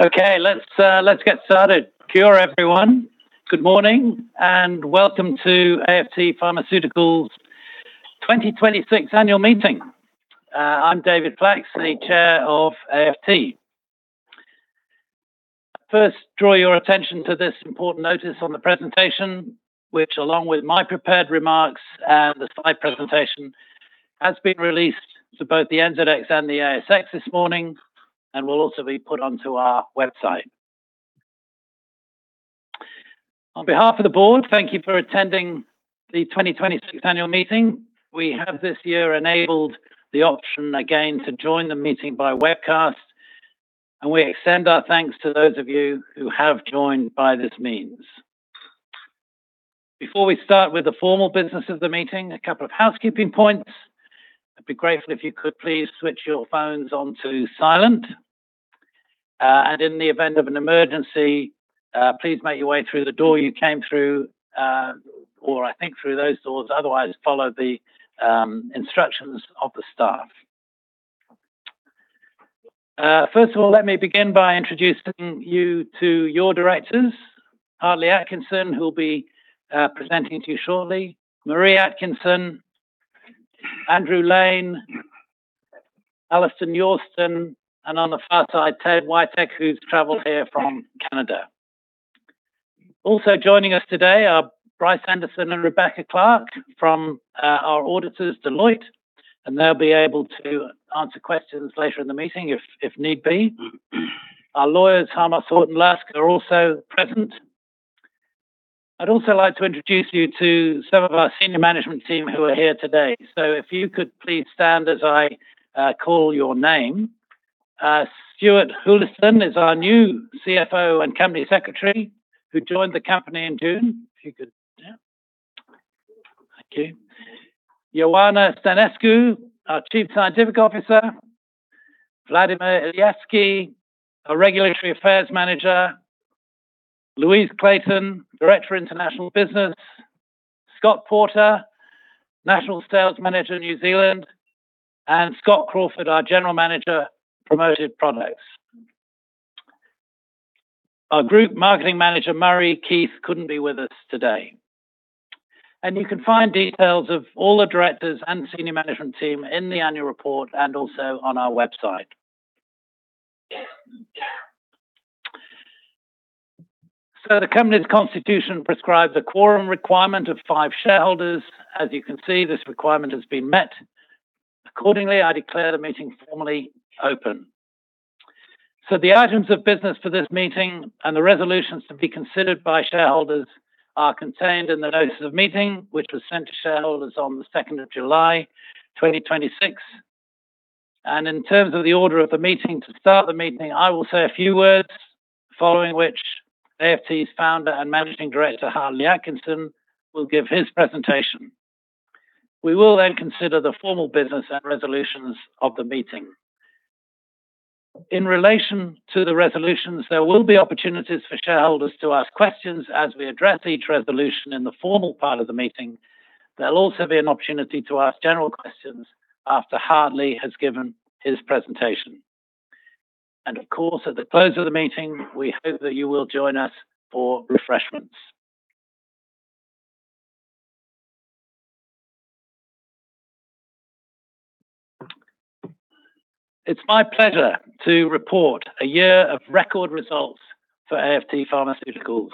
Okay, let's get started. Hello, everyone. Good morning, and welcome to AFT Pharmaceuticals' 2026 annual meeting. I'm David Flacks, the Chair of AFT. First, draw your attention to this important notice on the presentation, which, along with my prepared remarks and the slide presentation, has been released to both the NZX and the ASX this morning, and will also be put onto our website. On behalf of the board, thank you for attending the 2026 annual meeting. We have, this year, enabled the option again to join the meeting by webcast, and we extend our thanks to those of you who have joined by this means. Before we start with the formal business of the meeting, a couple of housekeeping points. I'd be grateful if you could please switch your phones on to silent. In the event of an emergency, please make your way through the door you came through, or I think through those doors. Otherwise, follow the instructions of the staff. First of all, let me begin by introducing you to your directors. Hartley Atkinson, who will be presenting to you shortly. Marree Atkinson, Andrew Lane, Allison Yorston, and on the far side, Ted Witek, who's traveled here from Canada. Also joining us today are Bryce Anderson and Rebecca Clark from our auditors, Deloitte, and they'll be able to answer questions later in the meeting if need be. Our lawyers, Harmos Horton Lusk, are also present. I'd also like to introduce you to some of our senior management team who are here today. If you could please stand as I call your name. Stuart Houliston is our new CFO and Company Secretary who joined the company in June. If you could stand. Thank you. Ioana Stanescu, our Chief Scientific Officer. Vladimir Ilievski, our Regulatory Affairs Manager. Louise Clayton, Director, International Business. Scott Porter, National Sales Manager, New Zealand, and Scott Crawford, our General Manager, Promoted Products. Our Group Marketing Manager, Murray Keith, couldn't be with us today. You can find details of all the directors and senior management team in the annual report and also on our website. The company's constitution prescribes a quorum requirement of five shareholders. As you can see, this requirement has been met. Accordingly, I declare the meeting formally open. The items of business for this meeting and the resolutions to be considered by shareholders are contained in the notice of meeting, which was sent to shareholders on the July 2nd, 2026. In terms of the order of the meeting, to start the meeting, I will say a few words, following which AFT's Founder and Managing Director, Hartley Atkinson, will give his presentation. We will then consider the formal business and resolutions of the meeting. In relation to the resolutions, there will be opportunities for shareholders to ask questions as we address each resolution in the formal part of the meeting. There'll also be an opportunity to ask general questions after Hartley has given his presentation. Of course, at the close of the meeting, we hope that you will join us for refreshments. It's my pleasure to report a year of record results for AFT Pharmaceuticals.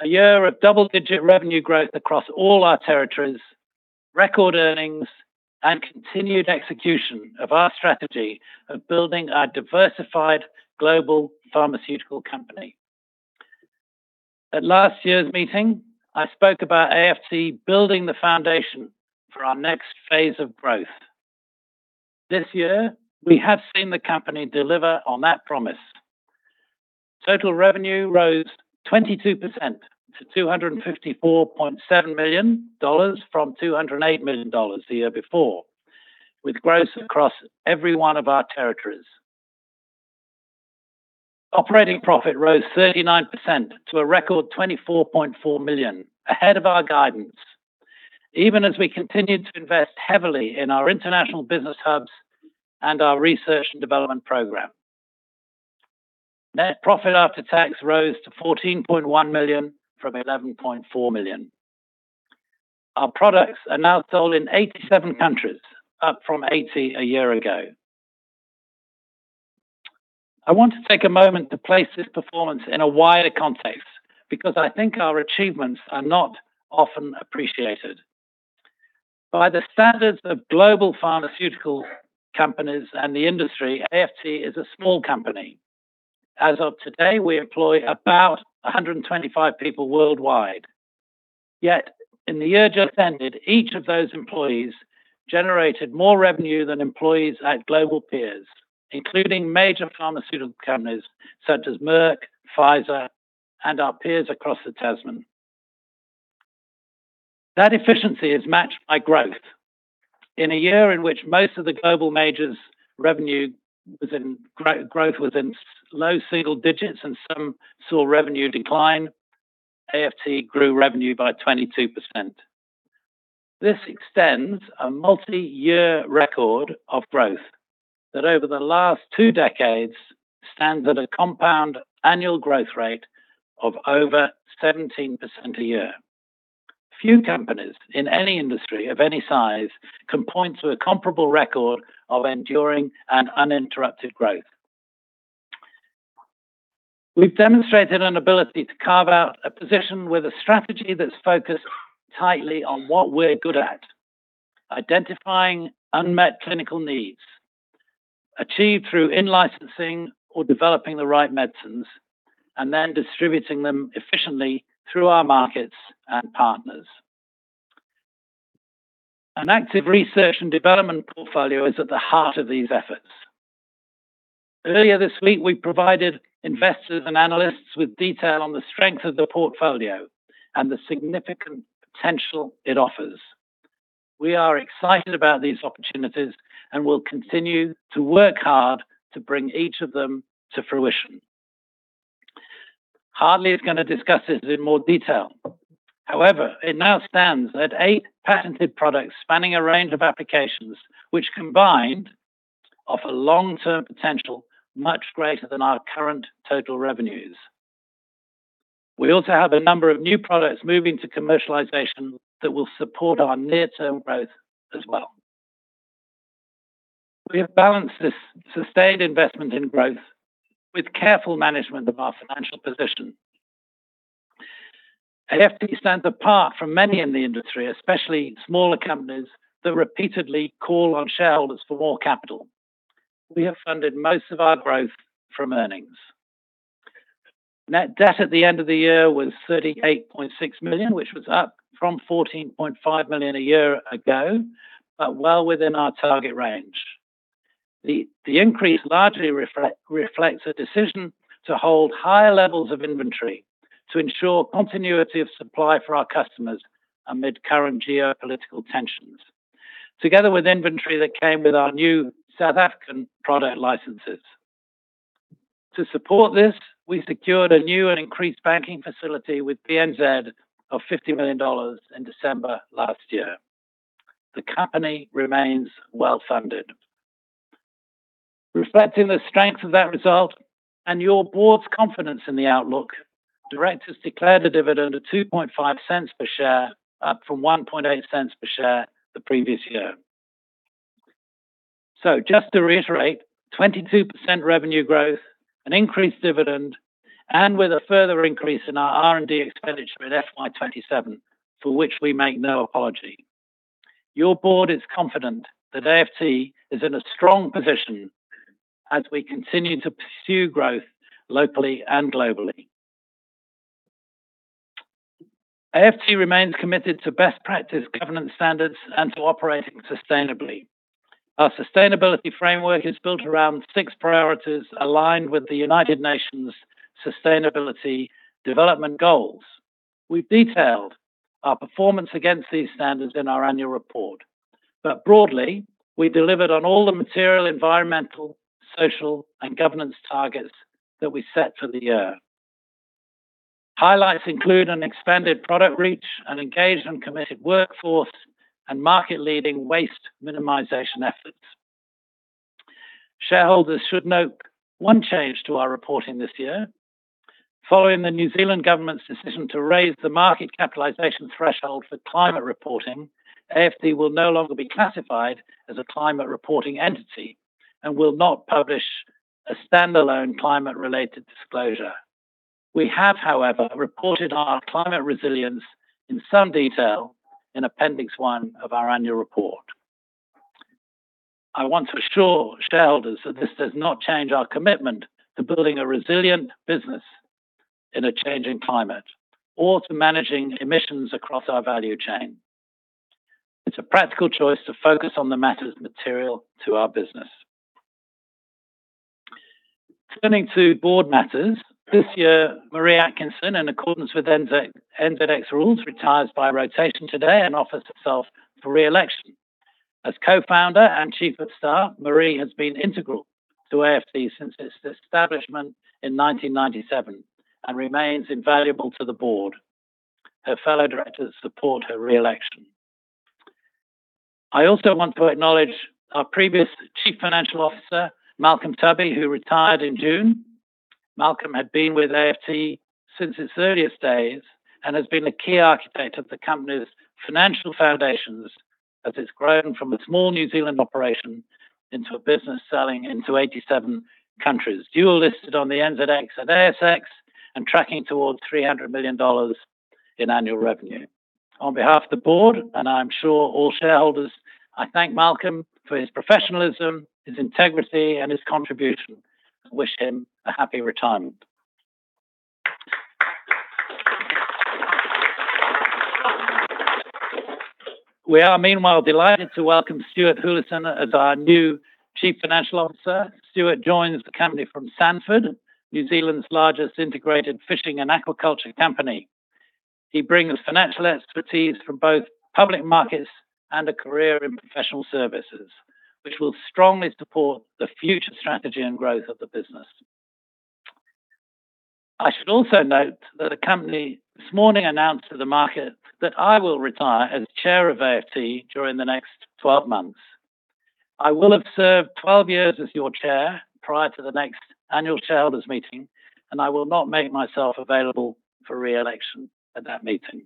A year of double-digit revenue growth across all our territories, record earnings, and continued execution of our strategy of building a diversified global pharmaceutical company. At last year's meeting, I spoke about AFT building the foundation for our next phase of growth. This year, we have seen the company deliver on that promise. Total revenue rose 22% to 254.7 million dollars from 208 million dollars the year before, with growth across every one of our territories. Operating profit rose 39% to a record 24.4 million, ahead of our guidance, even as we continued to invest heavily in our international business hubs and our research and development program. Net profit after tax rose to 14.1 million from 11.4 million. Our products are now sold in 87 countries, up from 80 a year ago. I want to take a moment to place this performance in a wider context, because I think our achievements are not often appreciated. By the standards of global pharmaceutical companies and the industry, AFT is a small company. As of today, we employ about 125 people worldwide. Yet, in the year just ended, each of those employees generated more revenue than employees at global peers, including major pharmaceutical companies such as Merck, Pfizer, and our peers across the Tasman. That efficiency is matched by growth. In a year in which most of the global majors' revenue growth was in low single-digits and some saw revenue decline, AFT grew revenue by 22%. This extends a multi-year record of growth that over the last two decades stands at a compound annual growth rate of over 17% a year. Few companies in any industry of any size can point to a comparable record of enduring and uninterrupted growth. We've demonstrated an ability to carve out a position with a strategy that's focused tightly on what we're good at, identifying unmet clinical needs, achieved through in-licensing or developing the right medicines, and then distributing them efficiently through our markets and partners. An active research and development portfolio is at the heart of these efforts. Earlier this week, we provided investors and analysts with detail on the strength of the portfolio and the significant potential it offers. We are excited about these opportunities and will continue to work hard to bring each of them to fruition. Hartley is going to discuss this in more detail. However, it now stands at eight patented products spanning a range of applications, which combined, offer long-term potential much greater than our current total revenues. We also have a number of new products moving to commercialization that will support our near-term growth as well. We have balanced this sustained investment in growth with careful management of our financial position. AFT stands apart from many in the industry, especially smaller companies that repeatedly call on shareholders for more capital. We have funded most of our growth from earnings. Net debt at the end of the year was 38.6 million, which was up from 14.5 million a year ago, but well within our target range. The increase largely reflects a decision to hold higher levels of inventory to ensure continuity of supply for our customers amid current geopolitical tensions, together with inventory that came with our new South African product licenses. To support this, we secured a new and increased banking facility with BNZ of 50 million dollars in December last year. The company remains well-funded. Reflecting the strength of that result and your board's confidence in the outlook, directors declared a dividend of 0.025 per share, up from 0.018 per share the previous year. Just to reiterate, 22% revenue growth, an increased dividend, and with a further increase in our R&D expenditure in FY 2027, for which we make no apology. Your board is confident that AFT is in a strong position as we continue to pursue growth locally and globally. AFT remains committed to best practice governance standards and to operating sustainably. Our sustainability framework is built around six priorities aligned with the United Nations Sustainable Development Goals. We've detailed our performance against these standards in our annual report. Broadly, we delivered on all the material environmental, social, and governance targets that we set for the year. Highlights include an expanded product reach, an engaged and committed workforce, and market-leading waste minimization efforts. Shareholders should note one change to our reporting this year. Following the New Zealand Government's decision to raise the market capitalization threshold for climate reporting, AFT will no longer be classified as a climate reporting entity and will not publish a standalone climate-related disclosure. We have, however, reported our climate resilience in some detail in appendix one of our annual report. I want to assure shareholders that this does not change our commitment to building a resilient business in a changing climate, or to managing emissions across our value chain. It's a practical choice to focus on the matters material to our business. Turning to board matters. This year, Marree Atkinson, in accordance with NZX rules, retires by rotation today and offers herself for re-election. As Co-Founder and Chief of Staff, Marree has been integral to AFT since its establishment in 1997 and remains invaluable to the board. Her fellow directors support her re-election. I also want to acknowledge our previous Chief Financial Officer, Malcolm Tubby, who retired in June. Malcolm had been with AFT since its earliest days and has been a key architect of the company's financial foundations as it's grown from a small New Zealand operation into a business selling into 87 countries, dual listed on the NZX and ASX, and tracking towards 300 million dollars in annual revenue. On behalf of the board, and I'm sure all shareholders, I thank Malcolm for his professionalism, his integrity, and his contribution and wish him a happy retirement. We are, meanwhile, delighted to welcome Stuart Houliston as our new Chief Financial Officer. Stuart joins the company from Sanford, New Zealand's largest integrated fishing and aquaculture company. He brings financial expertise from both public markets and a career in professional services, which will strongly support the future strategy and growth of the business. I should also note that the company this morning announced to the market that I will retire as Chair of AFT during the next 12 months. I will have served 12 years as your Chair prior to the next annual shareholders' meeting, and I will not make myself available for re-election at that meeting.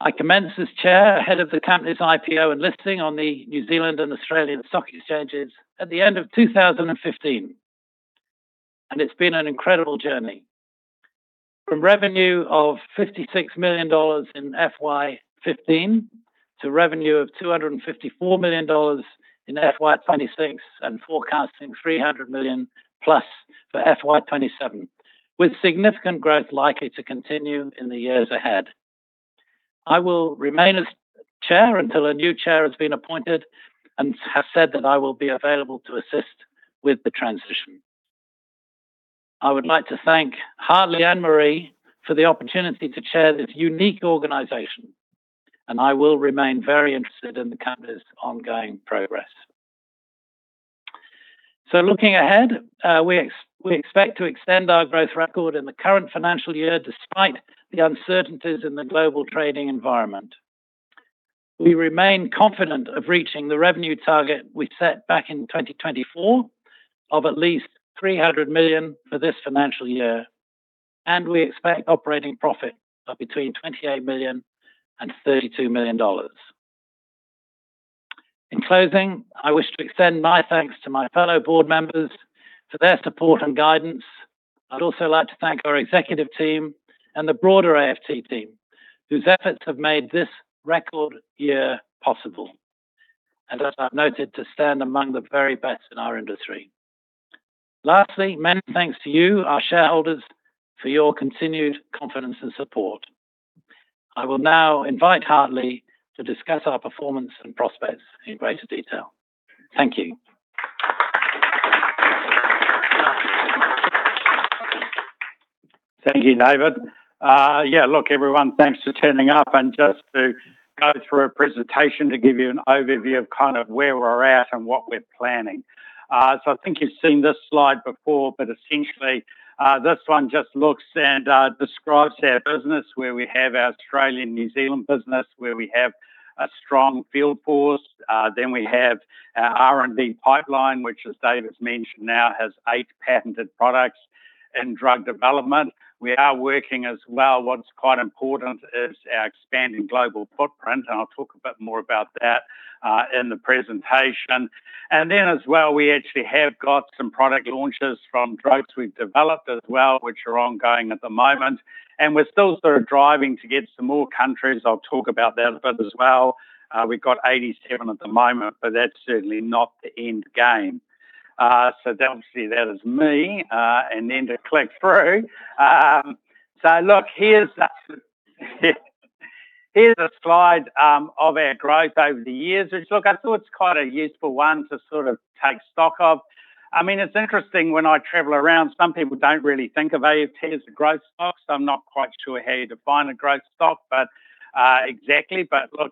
I commenced as Chair ahead of the company's IPO and listing on the New Zealand and Australian Stock Exchanges at the end of 2015, and it's been an incredible journey. From revenue of 56 million dollars in FY 2015 to revenue of 254 million dollars in FY 2026. Forecasting 300 million+ for FY 2027, with significant growth likely to continue in the years ahead. I will remain as Chair until a new Chair has been appointed and have said that I will be available to assist with the transition. I would like to thank Hartley and Marree for the opportunity to Chair this unique organization. I will remain very interested in the company's ongoing progress. Looking ahead, we expect to extend our growth record in the current financial year despite the uncertainties in the global trading environment. We remain confident of reaching the revenue target we set back in 2024 of at least 300 million for this financial year. We expect operating profit of between 28 million-32 million dollars. In closing, I wish to extend my thanks to my fellow board members for their support and guidance. I'd also like to thank our executive team and the broader AFT team, whose efforts have made this record year possible. As I've noted, to stand among the very best in our industry. Lastly, many thanks to you, our shareholders, for your continued confidence and support. I will now invite Hartley to discuss our performance and prospects in greater detail. Thank you. Thank you, David. Everyone, thanks for turning up to go through a presentation to give you an overview of where we're at and what we're planning. I think you've seen this slide before, but essentially, this one just looks and describes our business, where we have our Australian-New Zealand business, where we have a strong field force. We have our R&D pipeline, which as David mentioned now, has eight patented products in drug development. We are working as well, what's quite important is our expanding global footprint. I'll talk a bit more about that in the presentation. As well, we actually have got some product launches from drugs we've developed as well, which are ongoing at the moment. We're still driving to get some more countries. I'll talk about that a bit as well. We've got 87 at the moment, but that's certainly not the end game. Obviously, that is me to click through. Here's a slide of our growth over the years, which look, I thought it's quite a useful one to take stock of. It's interesting when I travel around, some people don't really think of AFT as a growth stock. I'm not quite sure how you define a growth stock exactly.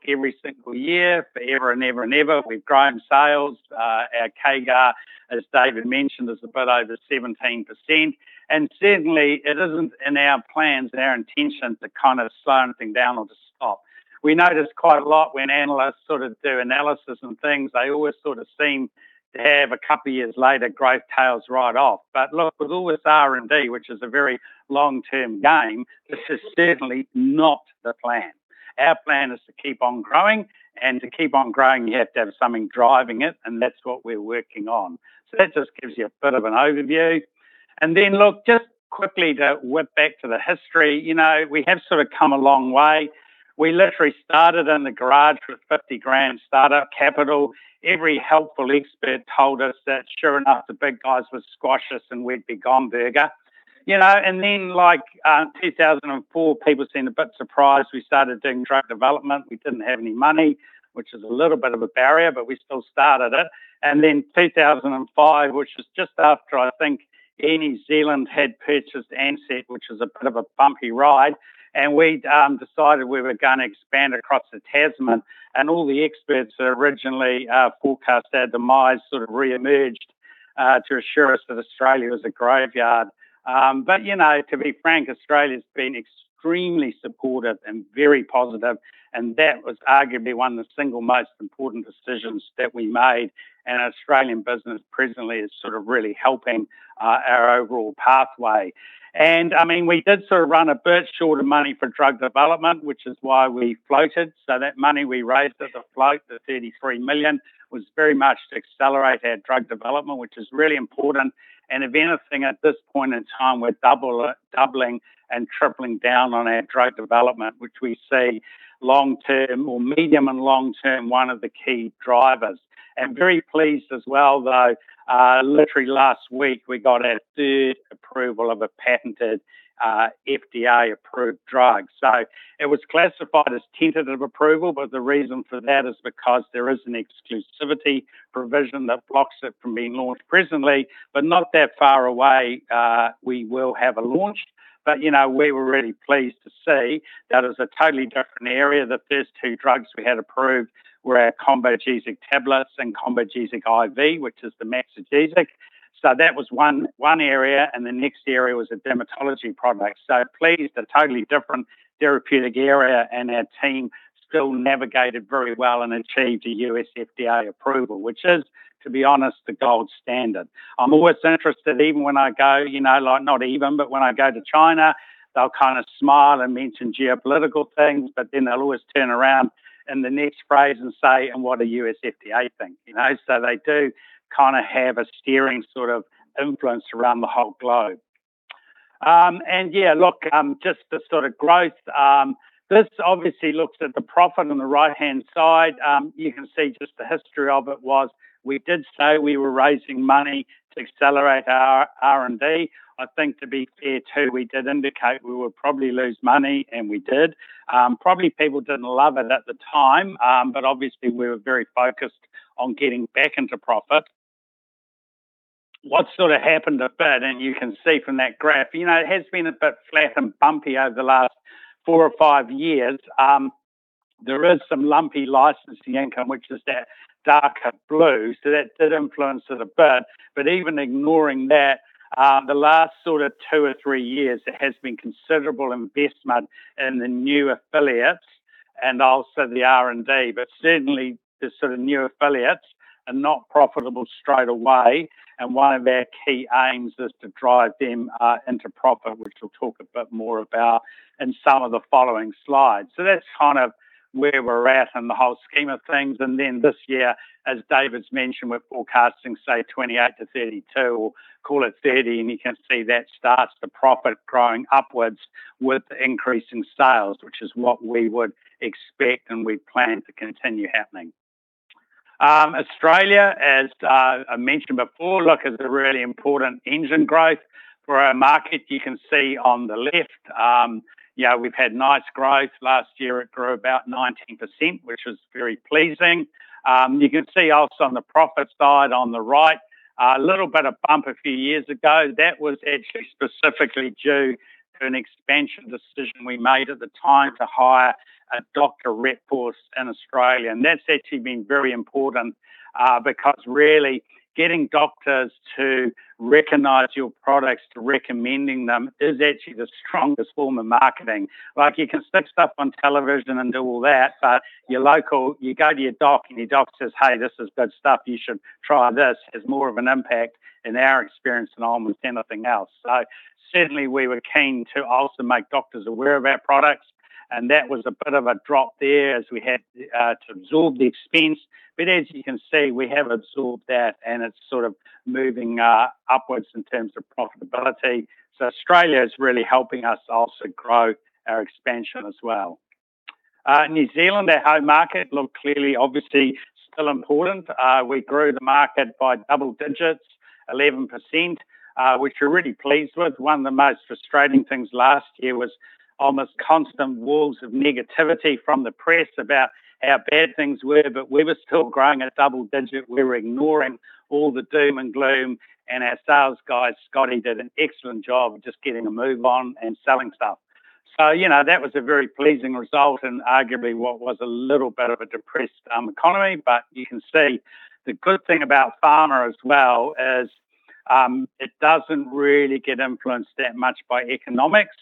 Every single year, forever and ever and ever, we've grown sales. Our CAGR, as David mentioned, is a bit over 17%. Certainly, it isn't in our plans and our intention to slow anything down or to stop. We notice quite a lot when analysts do analysis and things, they always seem to have, a couple of years later, growth tails right off. Look, with all this R&D, which is a very long-term game, this is certainly not the plan. Our plan is to keep on growing, and to keep on growing, you have to have something driving it, and that's what we're working on. That just gives you a bit of an overview. Look, just quickly to whip back to the history. We have come a long way. We literally started in a garage with 50,000 startup capital. Every helpful expert told us that sure enough, the big guys would squash us, and we'd be gone burger. 2004, people seemed a bit surprised we started doing drug development. We didn't have any money, which is a little bit of a barrier, but we still started it. 2005, which was just after, I think, Air New Zealand had purchased Ansett, which was a bit of a bumpy ride, and we'd decided we were going to expand across to Tasman, and all the experts that originally forecast our demise re-emerged, to assure us that Australia was a graveyard. To be frank, Australia's been extremely supportive and very positive, and that was arguably one of the single most important decisions that we made, and our Australian business presently is really helping our overall pathway. We did run a bit short of money for drug development, which is why we floated. That money we raised at the float, the 33 million, was very much to accelerate our drug development, which is really important. If anything, at this point in time, we're doubling and tripling down on our drug development, which we see long term or medium and long term, one of the key drivers. Very pleased as well, though, literally last week, we got our third approval of a patented, FDA-approved drug. It was classified as tentative approval, the reason for that is because there is an exclusivity provision that blocks it from being launched presently, not that far away, we will have a launch. We were really pleased to see that it was a totally different area. The first two drugs we had approved were our Combogesic tablets and Combogesic IV, which is the Maxigesic. That was one area, and the next area was a dermatology product. Pleased, a totally different therapeutic area, and our team still navigated very well and achieved a U.S. FDA approval, which is, to be honest, the gold standard. I'm always interested, even when I go, not even, when I go to China, they'll kind of smile and mention geopolitical things, then they'll always turn around in the next phrase and say, what do U.S. FDA think? They do have a steering sort of influence around the whole globe. Yeah, look, just the sort of growth. This obviously looks at the profit on the right-hand side. You can see just the history of it was, we did say we were raising money to accelerate our R&D. I think to be fair too, we did indicate we would probably lose money, and we did. People didn't love it at the time, obviously we were very focused on getting back into profit. What sort of happened a bit, and you can see from that graph, it has been a bit flat and bumpy over the last four or five years. There is some lumpy licensing income, which is that darker blue, so that did influence it a bit. Even ignoring that, the last sort of two or three years, there has been considerable investment in the new affiliates and also the R&D. Certainly, the sort of new affiliates are not profitable straight away, and one of our key aims is to drive them into profit, which we'll talk a bit more about in some of the following slides. That's kind of where we're at in the whole scheme of things. This year, as David's mentioned, we're forecasting, say, 28-32, or call it 30, and you can see that starts to profit growing upwards with increasing sales, which is what we would expect and we plan to continue happening. Australia, as I mentioned before, look, is a really important engine growth for our market. You can see on the left, we've had nice growth. Last year it grew about 19%, which was very pleasing. You can see also on the profit side on the right, a little bit of bump a few years ago. That was actually specifically due to an expansion decision we made at the time to hire a doctor rep force in Australia. That's actually been very important, because really getting doctors to recognize your products, to recommending them, is actually the strongest form of marketing. You can stick stuff on television and do all that, but your local, you go to your doc and your doc says, hey, this is good stuff. You should try this, has more of an impact in our experience than almost anything else. Certainly, we were keen to also make doctors aware of our products, and that was a bit of a drop there as we had to absorb the expense. As you can see, we have absorbed that and it's sort of moving upwards in terms of profitability. Australia is really helping us also grow our expansion as well. New Zealand, our home market, look, clearly obviously still important. We grew the market by double digits, 11%, which we're really pleased with. One of the most frustrating things last year was almost constant walls of negativity from the press about how bad things were, but we were still growing at double digit. We were ignoring all the doom and gloom, and our sales guy, Scotty, did an excellent job of just getting a move on and selling stuff. That was a very pleasing result in arguably what was a little bit of a depressed economy. You can see the good thing about pharma as well is, it doesn't really get influenced that much by economics.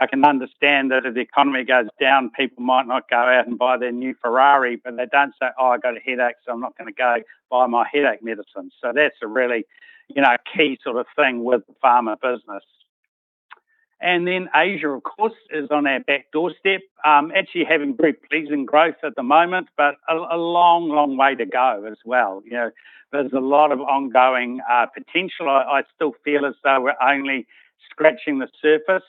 I can understand that if the economy goes down, people might not go out and buy their new Ferrari, but they don't say, oh, I got a headache, so I'm not going to go buy my headache medicine. That's a really key sort of thing with the pharma business. Asia, of course, is on our back doorstep. Actually having very pleasing growth at the moment, but a long way to go as well. There's a lot of ongoing potential. I still feel as though we're only scratching the surface.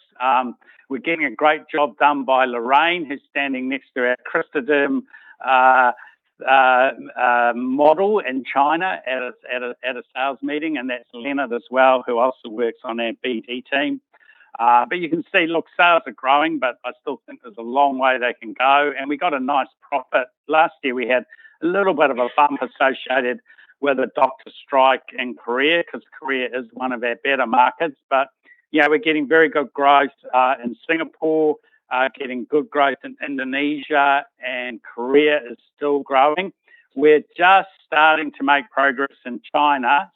We're getting a great job done by Lorraine, who's standing next to our Crystaderm model in China at a sales meeting, and that's Leonard as well, who also works on our BD team. You can see, look, sales are growing, but I still think there's a long way they can go, and we got a nice profit. Last year, we had a little bit of a bump associated with the doctor strike in Korea, because Korea is one of our better markets. We're getting very good growth, in Singapore, getting good growth in Indonesia, and Korea is still growing. We're just starting to make progress in China,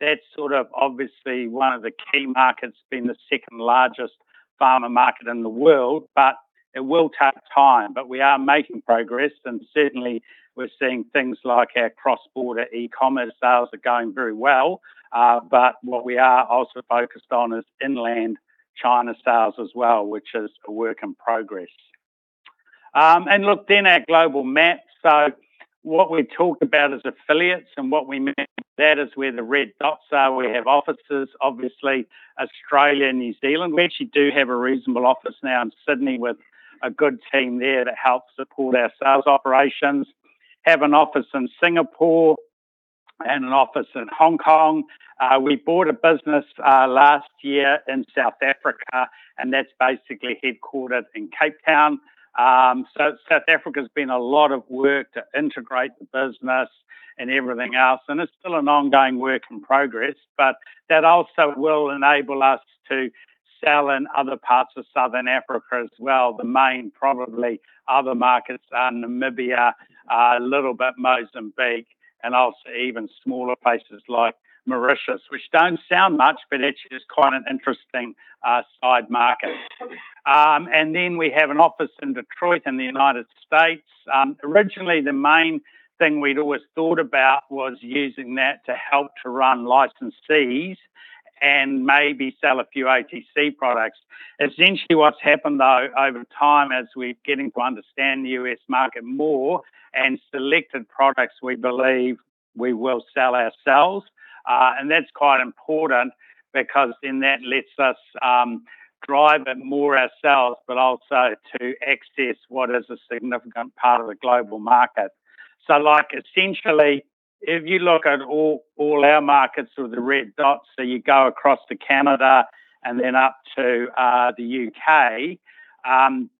that's obviously one of the key markets, being the second-largest pharma market in the world, but it will take time. We are making progress, and certainly we're seeing things like our cross-border e-commerce sales are going very well. What we are also focused on is inland China sales as well, which is a work in progress. Look then at global map. What we talk about is affiliates, and what we mean by that is where the red dots are. We have offices, obviously Australia and New Zealand. We actually do have a reasonable office now in Sydney with a good team there to help support our sales operations. Have an office in Singapore and an office in Hong Kong. We bought a business last year in South Africa, and that's basically headquartered in Cape Town. South Africa's been a lot of work to integrate the business. Everything else. It's still an ongoing work in progress, but that also will enable us to sell in other parts of Southern Africa as well. The main, probably other markets are Namibia, a little bit Mozambique, and also even smaller places like Mauritius, which don't sound much, but actually it's quite an interesting side market. We have an office in Detroit in the United States. Originally, the main thing we'd always thought about was using that to help to run licensees and maybe sell a few OTC products. Essentially what's happened though over time, as we're getting to understand the U.S. market more and selected products we believe we will sell ourselves, and that's quite important because then that lets us drive it more ourselves, but also to access what is a significant part of the global market. Essentially, if you look at all our markets with the red dots, you go across to Canada and then up to the U.K.,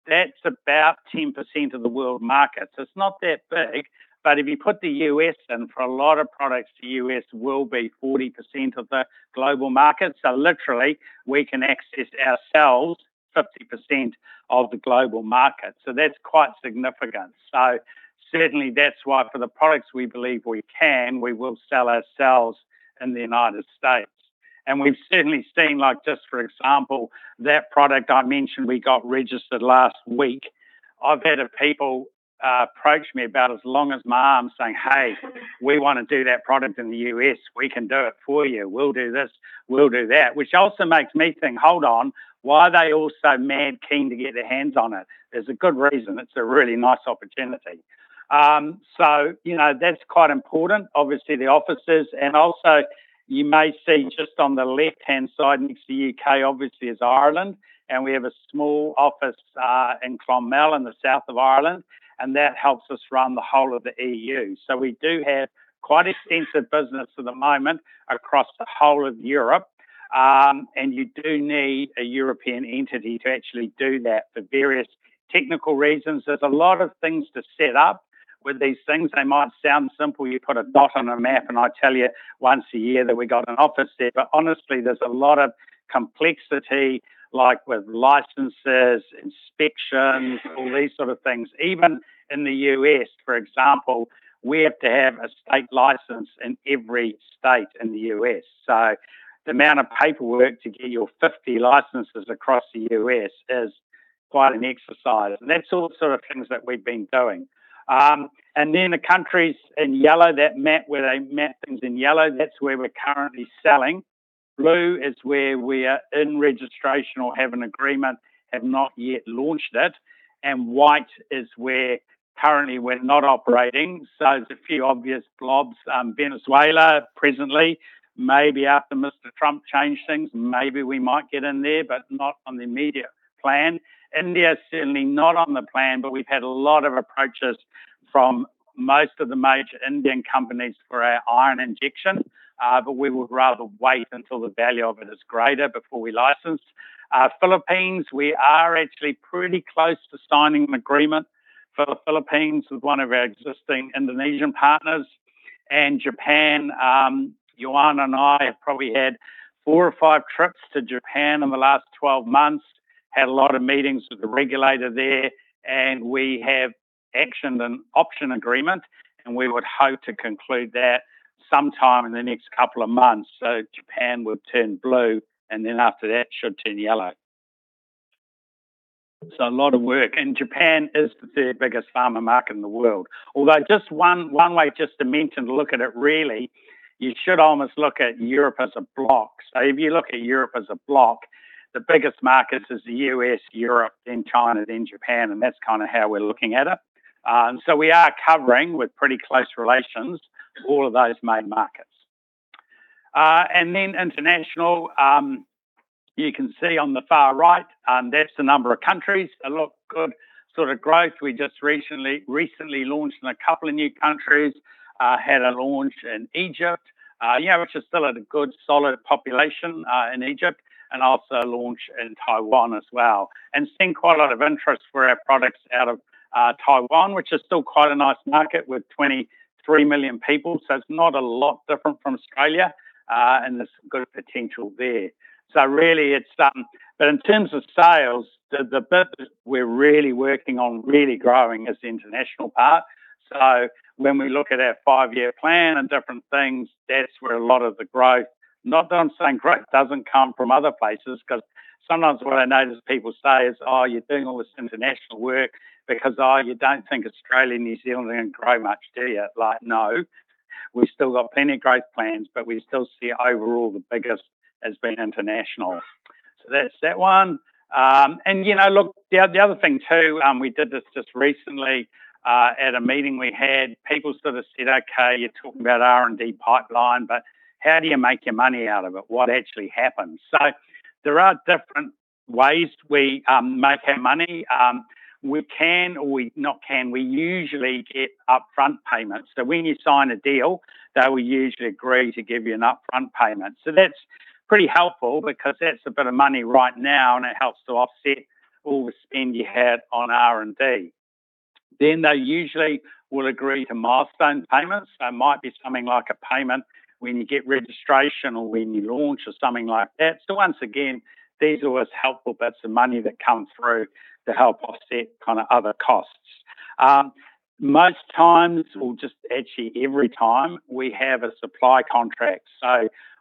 that's about 10% of the world market. It's not that big. If you put the U.S. in, for a lot of products, the U.S. will be 40% of the global market. Literally, we can access ourselves 50% of the global market. That's quite significant. Certainly that's why for the products we believe we can, we will sell ourselves in the United States. We've certainly seen, just for example, that product I mentioned we got registered last week. I've had people approach me about as long as my arm saying, hey, we want to do that product in the U.S. We can do it for you. We'll do this. We'll do that. Which also makes me think, hold on, why are they all so mad keen to get their hands on it? There's a good reason. It's a really nice opportunity. That's quite important. Obviously, the offices, and also you may see just on the left-hand side next to the U.K., obviously, is Ireland, and we have a small office in Clonmel in the South of Ireland, and that helps us run the whole of the EU. We do have quite extensive business at the moment across the whole of Europe. You do need a European entity to actually do that for various technical reasons. There's a lot of things to set up with these things. They might sound simple. You put a dot on a map, and I tell you once a year that we got an office there. Honestly, there's a lot of complexity like with licenses, inspections, all these sort of things. Even in the U.S., for example, we have to have a state license in every state in the U.S. The amount of paperwork to get your 50 licenses across the U.S. is quite an exercise. That's all sort of things that we've been doing. Then the countries in yellow, that map where they map things in yellow, that's where we're currently selling. Blue is where we are in registration or have an agreement, have not yet launched it. White is where currently we're not operating. There's a few obvious blobs. Venezuela, presently, maybe after Mr. Trump changed things, maybe we might get in there, but not on the immediate plan. India, certainly not on the plan, but we've had a lot of approaches from most of the major Indian companies for our iron injection. We would rather wait until the value of it is greater before we license. Philippines, we are actually pretty close to signing an agreement for the Philippines with one of our existing Indonesian partners. Japan, Ioana and I have probably had four or five trips to Japan in the last 12 months, had a lot of meetings with the regulator there, and we have actioned an option agreement, and we would hope to conclude that sometime in the next couple of months. Japan would turn blue, and then after that should turn yellow. A lot of work. Japan is the third biggest pharma market in the world. Although just one way just to mention to look at it really, you should almost look at Europe as a block. If you look at Europe as a block, the biggest markets is the U.S., Europe, then China, then Japan, and that's kind of how we're looking at it. We are covering with pretty close relations, all of those main markets. Then international, you can see on the far right, that's the number of countries, a lot good sort of growth. We just recently launched in a couple of new countries. Had a launch in Egypt, which is still at a good, solid population, in Egypt, and also launched in Taiwan as well. Seeing quite a lot of interest for our products out of Taiwan, which is still quite a nice market with 23 million people. It's not a lot different from Australia, and there's good potential there. In terms of sales, the business we're really working on really growing is the international part. When we look at our five-year plan and different things, that's where a lot of the growth. Not that I'm saying growth doesn't come from other places, because sometimes what I notice people say is, oh, you're doing all this international work because, oh, you don't think Australia and New Zealand are going to grow much, do you? Like, no. We've still got plenty of growth plans, but we still see overall the biggest has been international. That's that one. Look, the other thing too, we did this just recently, at a meeting we had, people sort of said, okay, you're talking about R&D pipeline, but how do you make your money out of it? What actually happens? There are different ways we make our money. We usually get upfront payments. When you sign a deal, they will usually agree to give you an upfront payment. That's pretty helpful because that's a bit of money right now, and it helps to offset all the spend you had on R&D. They usually will agree to milestone payments. It might be something like a payment when you get registration or when you launch or something like that. Once again, these are always helpful bits of money that come through to help offset other costs. Most times, or just actually every time, we have a supply contract.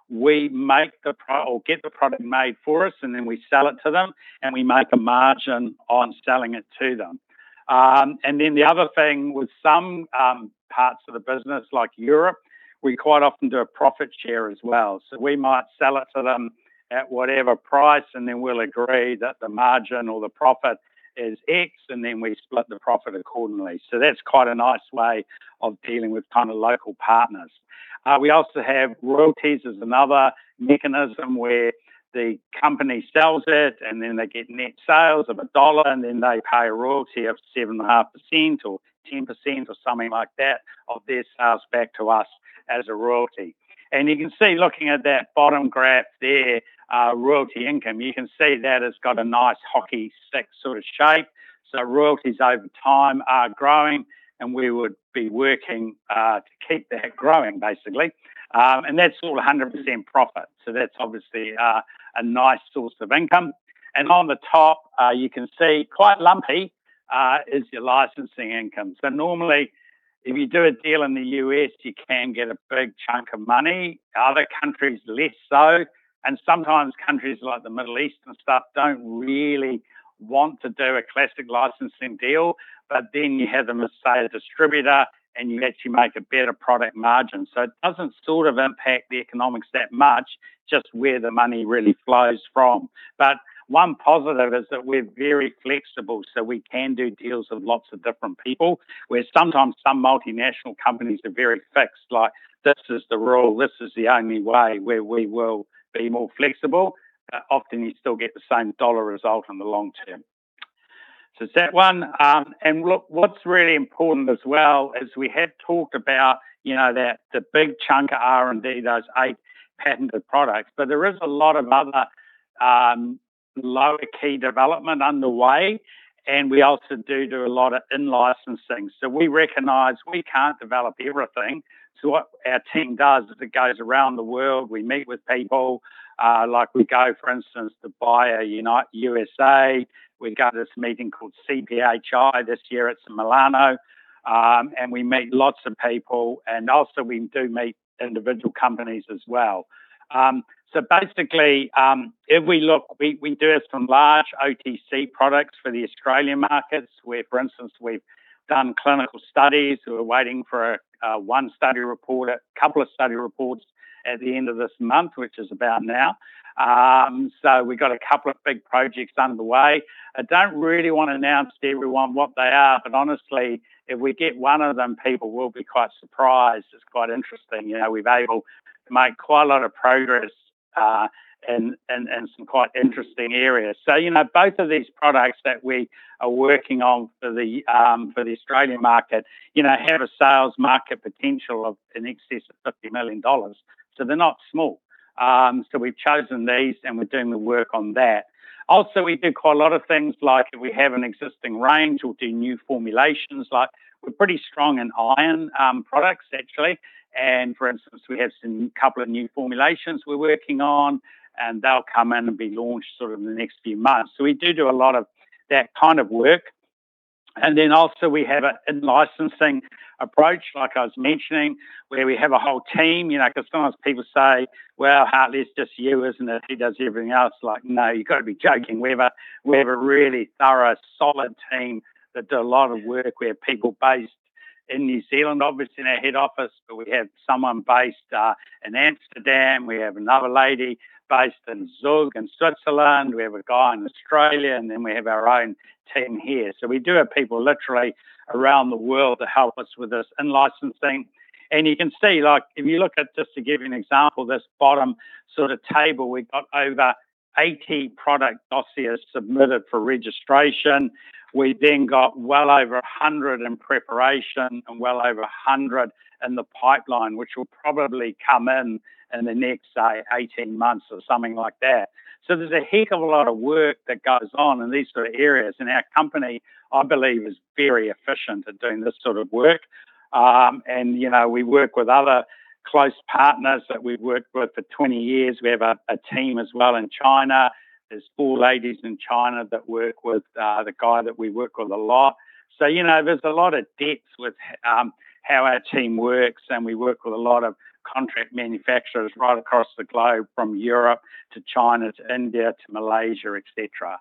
We make the or get the product made for us, and then we sell it to them, and we make a margin on selling it to them. The other thing with some parts of the business, like Europe, we quite often do a profit share as well. We might sell it to them at whatever price, and then we'll agree that the margin or the profit is X, and then we split the profit accordingly. That's quite a nice way of dealing with local partners. We also have royalties as another mechanism where the company sells it, and then they get net sales of a dollar, and then they pay a royalty of 7.5% or 10% or something like that of their sales back to us as a royalty. You can see looking at that bottom graph there, royalty income, you can see that has got a nice hockey stick shape. Royalties over time are growing, and we would be working to keep that growing, basically. That's all 100% profit, so that's obviously a nice source of income. On the top, you can see, quite lumpy, is your licensing income. Normally, if you do a deal in the U.S., you can get a big chunk of money. Other countries, less so, and sometimes countries like the Middle East and stuff don't really want to do a classic licensing deal. Then you have, let's say, a distributor, and you actually make a better product margin. It doesn't impact the economics that much, just where the money really flows from. One positive is that we're very flexible, so we can do deals with lots of different people, where sometimes some multinational companies are very fixed, like, this is the rule. This is the only way. We will be more flexible. Often you still get the same dollars result in the long term. It's that one. Look, what's really important as well is we have talked about the big chunk of R&D, those eight patented products, but there is a lot of other lower key development underway, and we also do a lot of in-licensing. We recognize we can't develop everything. What our team does is it goes around the world. We meet with people, like we go, for instance, to BIO USA. We go to this meeting called CPHI this year. It's in Milano. We meet lots of people, and also we do meet individual companies as well. Basically, if we look, we do some large OTC products for the Australian markets, where, for instance, we've done clinical studies. We're waiting for one study report, a couple of study reports, at the end of this month, which is about now. We got a couple of big projects underway. I don't really want to announce to everyone what they are, but honestly, if we get one of them, people will be quite surprised. It's quite interesting. We've able to make quite a lot of progress in some quite interesting areas. Both of these products that we are working on for the Australian market have a sales market potential of in excess of 50 million dollars. They're not small. We've chosen these, and we're doing the work on that. Also, we do quite a lot of things like if we have an existing range, we'll do new formulations. We're pretty strong in iron products, actually. For instance, we have a couple of new formulations we're working on, and they'll come in and be launched in the next few months. We do a lot of that kind of work. Also we have an in-licensing approach, like I was mentioning, where we have a whole team. Because sometimes people say, well, Hartley, it's just you, isn't it? He does everything else. No, you've got to be joking. We have a really thorough, solid team that do a lot of work. We have people based in New Zealand, obviously in our head office, but we have someone based in Amsterdam. We have another lady based in Zug in Switzerland. We have a guy in Australia, we have our own team here. We do have people literally around the world to help us with this in-licensing. You can see, if you look at, just to give you an example, this bottom table, we got over 80 product dossiers submitted for registration. We then got well over 100 in preparation and well over 100 in the pipeline, which will probably come in the next, say, 18 months or something like that. There's a heck of a lot of work that goes on in these sort of areas. Our company, I believe, is very efficient at doing this sort of work. We work with other close partners that we've worked with for 20 years. We have a team as well in China. There's four ladies in China that work with the guy that we work with a lot. There's a lot of depth with how our team works, and we work with a lot of contract manufacturers right across the globe, from Europe to China to India to Malaysia, et cetera.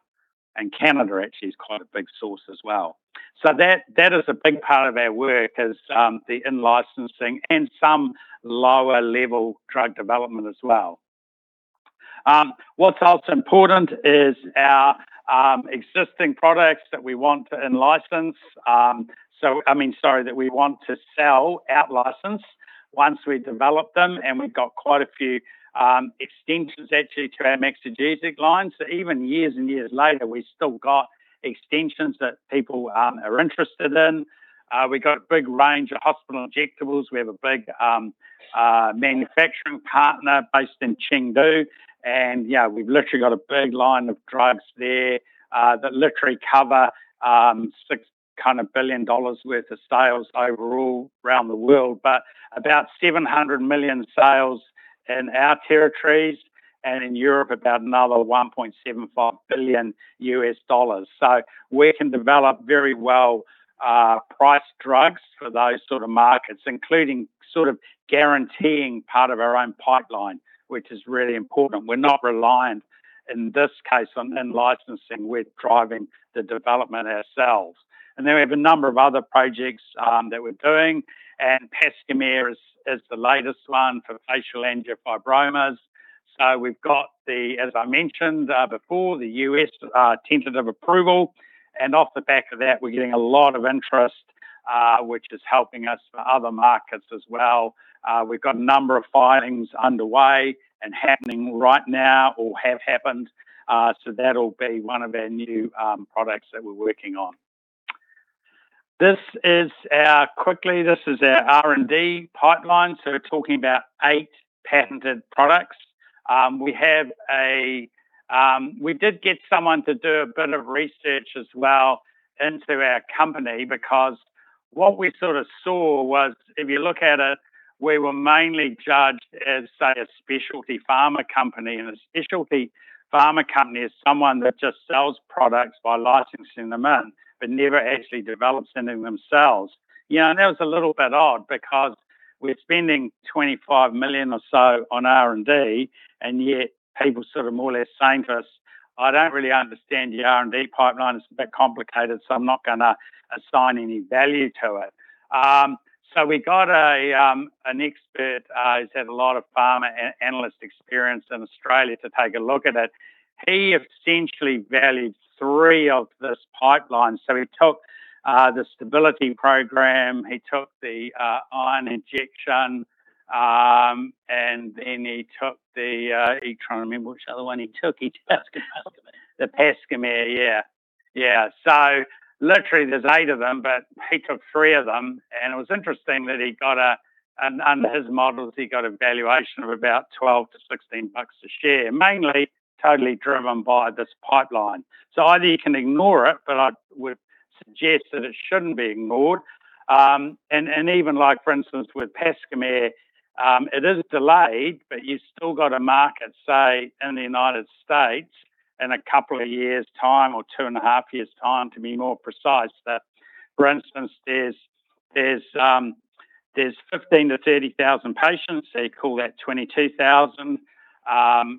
Canada actually is quite a big source as well. That is a big part of our work is the in-licensing and some lower-level drug development as well. What's also important is our existing products that we want to in-license. I mean, sorry, that we want to sell out-license once we develop them, and we've got quite a few extensions actually to our Maxigesic line. Even years and years later, we still got extensions that people are interested in. We've got a big range of hospital injectables. We have a big manufacturing partner based in Chengdu, and we've literally got a big line of drugs there that literally cover 6 billion dollars worth of sales overall around the world, but about 700 million sales in our territories, and in Europe, about another $1.75 billion. We can develop very well priced drugs for those sort of markets, including guaranteeing part of our own pipeline, which is really important. We're not reliant, in this case, on in-licensing. We're driving the development ourselves. We have a number of other projects that we're doing, and Pascomer is the latest one for facial angiofibromas. We've got, as I mentioned before, the U.S. tentative approval, and off the back of that, we're getting a lot of interest, which is helping us for other markets as well. We've got a number of filings underway and happening right now or have happened. That'll be one of our new products that we're working on. Quickly, this is our R&D pipeline. We're talking about eight patented products. We did get someone to do a bit of research as well into our company, because what we saw was, if you look at it, we were mainly judged as, say, a specialty pharma company, and a specialty pharma company is someone that just sells products by licensing them in but never actually develops anything themselves. That was a little bit odd, because we're spending 25 million or so on R&D, and yet people more or less saying to us, I don't really understand your R&D pipeline. It's a bit complicated, so I'm not going to assign any value to it. We got an expert who's had a lot of pharma and analyst experience in Australia to take a look at it. He essentially valued three of this pipeline. He took the stability program, he took the iron injection, and then he took the. I'm trying to remember which other one he took. He took Pascomer. The Pascomer, yeah. Literally, there's eight of them, but he took three of them, and it was interesting that under his models, he got a valuation of about 12-16 bucks a share, mainly totally driven by this pipeline. Either you can ignore it, but I would suggest that it shouldn't be ignored. Even, for instance, with Pascomer, it is delayed, but you still got a market, say, in the United States in a couple of years' time, or two and a half years' time, to be more precise, that, for instance, there's 15,000-30,000 patients, call that 22,000.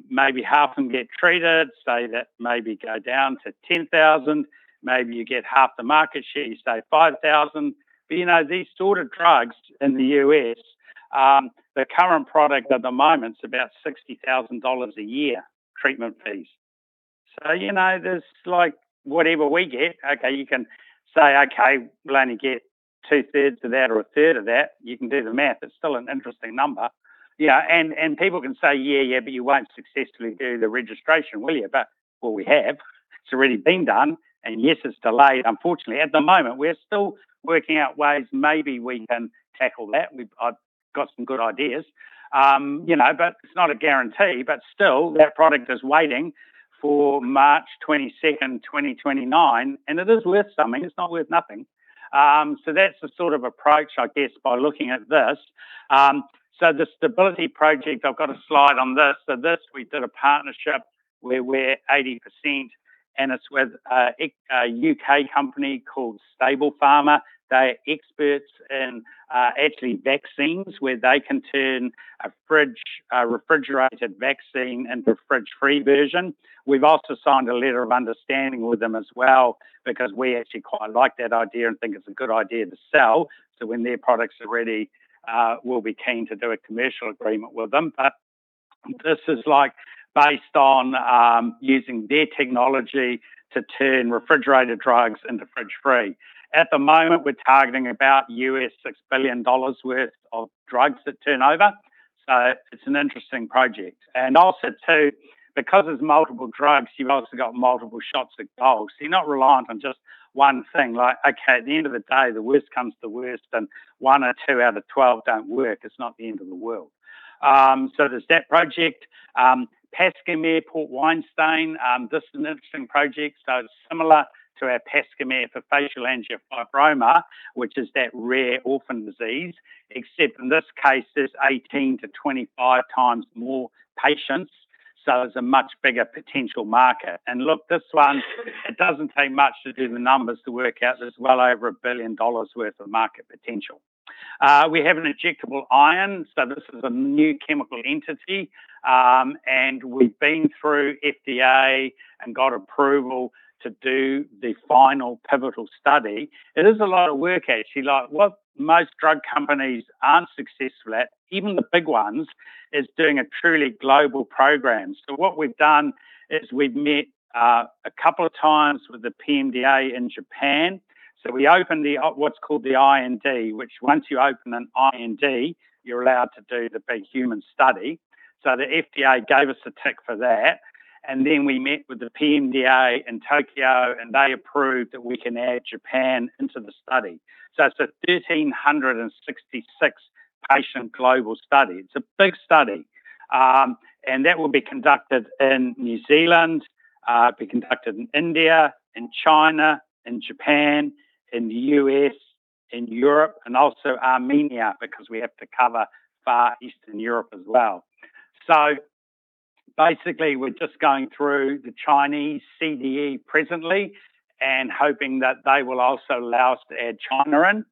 Maybe half of them get treated, say that maybe go down to 10,000. Maybe you get half the market share, you say 5,000. But these sort of drugs in the U.S., the current product at the moment is about 60,000 dollars a year treatment fees. Whatever we get, okay, you can say, okay, we'll only get two thirds of that or a third of that. You can do the math. It's still an interesting number. People can say, yeah, but you won't successfully do the registration, will you? Well, we have. It's already been done. Yes, it's delayed, unfortunately. At the moment, we're still working out ways maybe we can tackle that. I've got some good ideas. It's not a guarantee. Still, that product is waiting for March 22nd, 2029, and it is worth something. It's not worth nothing. That's the sort of approach, I guess, by looking at this. The stability project, I've got a slide on this. This, we did a partnership where we're 80%, and it's with a U.K. company called Stablepharma. They are experts in actually vaccines, where they can turn a refrigerated vaccine into a fridge-free version. We've also signed a letter of understanding with them as well, because we actually quite like that idea and think it's a good idea to sell. When their product's ready, we'll be keen to do a commercial agreement with them. This is based on using their technology to turn refrigerated drugs into fridge-free. At the moment, we're targeting about $6 billion worth of drugs to turn over. It's an interesting project. Also too, because it's multiple drugs, you've also got multiple shots at goals. You're not reliant on just one thing. Like, okay, at the end of the day, the worst comes to worst, and one or two out of 12 don't work, it's not the end of the world. There's that project. Pascomer Port Wine Stain, this is an interesting project. It's similar to our Pascomer for facial angiofibromas, which is that rare orphan disease. Except in this case, there's 18-25 times more patients. It's a much bigger potential market. Look, this one, it doesn't take much to do the numbers to work out. There's well over 1 billion dollars worth of market potential. We have an injectable iron. This is a new chemical entity. We've been through FDA and got approval to do the final pivotal study. It is a lot of work, actually. What most drug companies aren't successful at, even the big ones, is doing a truly global program. What we've done is we've met a couple of times with the PMDA in Japan. We opened what's called the IND, which once you open an IND, you're allowed to do the big human study. The FDA gave us a tick for that. Then we met with the PMDA in Tokyo, and they approved that we can add Japan into the study. It's a 1,366-patient global study. It's a big study. That will be conducted in New Zealand, it'll be conducted in India, in China, in Japan, in the U.S., in Europe, and also Armenia, because we have to cover far Eastern Europe as well. Basically, we're just going through the Chinese CDE presently and hoping that they will also allow us to add China in.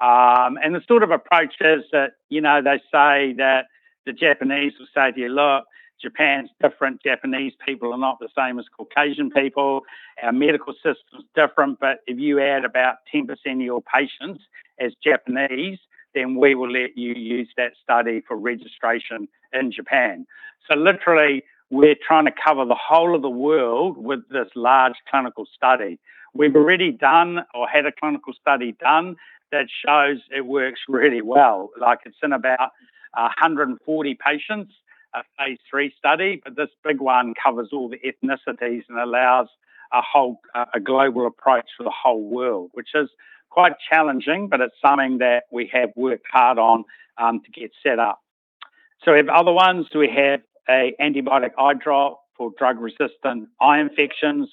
The approach is that they say that the Japanese will say to you, look, Japan's different. Japanese people are not the same as Caucasian people. Our medical system's different. If you add about 10% of your patients as Japanese, then we will let you use that study for registration in Japan. Literally, we're trying to cover the whole of the world with this large clinical study. We've already done or had a clinical study done that shows it works really well. It's in about 140 patients, a phase III study, but this big one covers all the ethnicities and allows a global approach for the whole world, which is quite challenging, but it's something that we have worked hard on to get set up. We have other ones. We have an antibiotic eye drop for drug-resistant eye infections.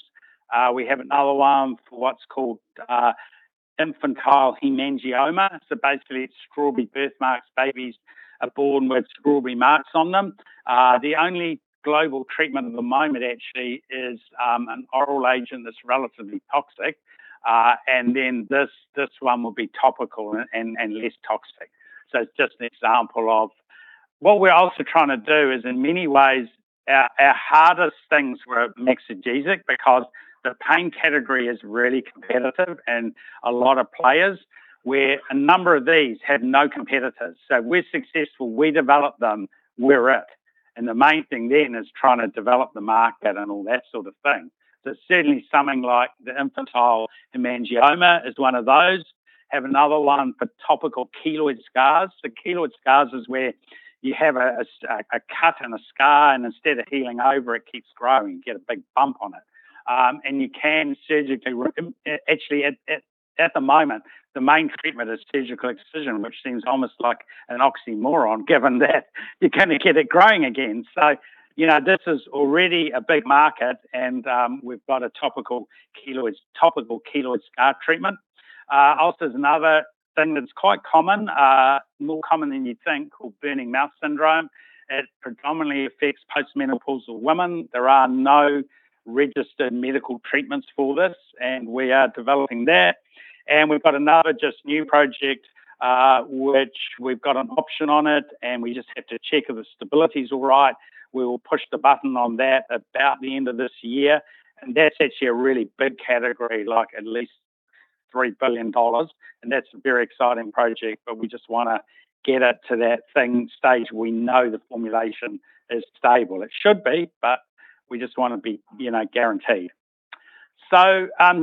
We have another one for what's called infantile hemangioma. Basically, it's strawberry birthmarks. Babies are born with strawberry marks on them. The only global treatment at the moment actually is an oral agent that's relatively toxic. Then this one will be topical and less toxic. It's just an example of what we're also trying to do is, in many ways, our hardest things were analgesic, because the pain category is really competitive and a lot of players, where a number of these have no competitors. If we're successful, we develop them, we're it. The main thing then is trying to develop the market and all that sort of thing. Certainly, something like the infantile hemangioma is one of those. Have another one for topical keloid scars. Keloid scars is where you have a cut and a scar, and instead of healing over, it keeps growing. You get a big bump on it. You can actually, at the moment, the main treatment is surgical excision, which seems almost like an oxymoron, given that you're going to get it growing again. This is already a big market, and we've got a topical keloid scar treatment. Also, there's another thing that's quite common, more common than you'd think, called burning mouth syndrome. It predominantly affects post-menopausal women. There are no registered medical treatments for this, and we are developing that. We've got another just new project, which we've got an option on it, and we just have to check if the stability's all right. We will push the button on that about the end of this year. That's actually a really big category, at least 3 billion dollars. That's a very exciting project, but we just want to get it to that stage we know the formulation is stable. It should be, but we just want to be guaranteed.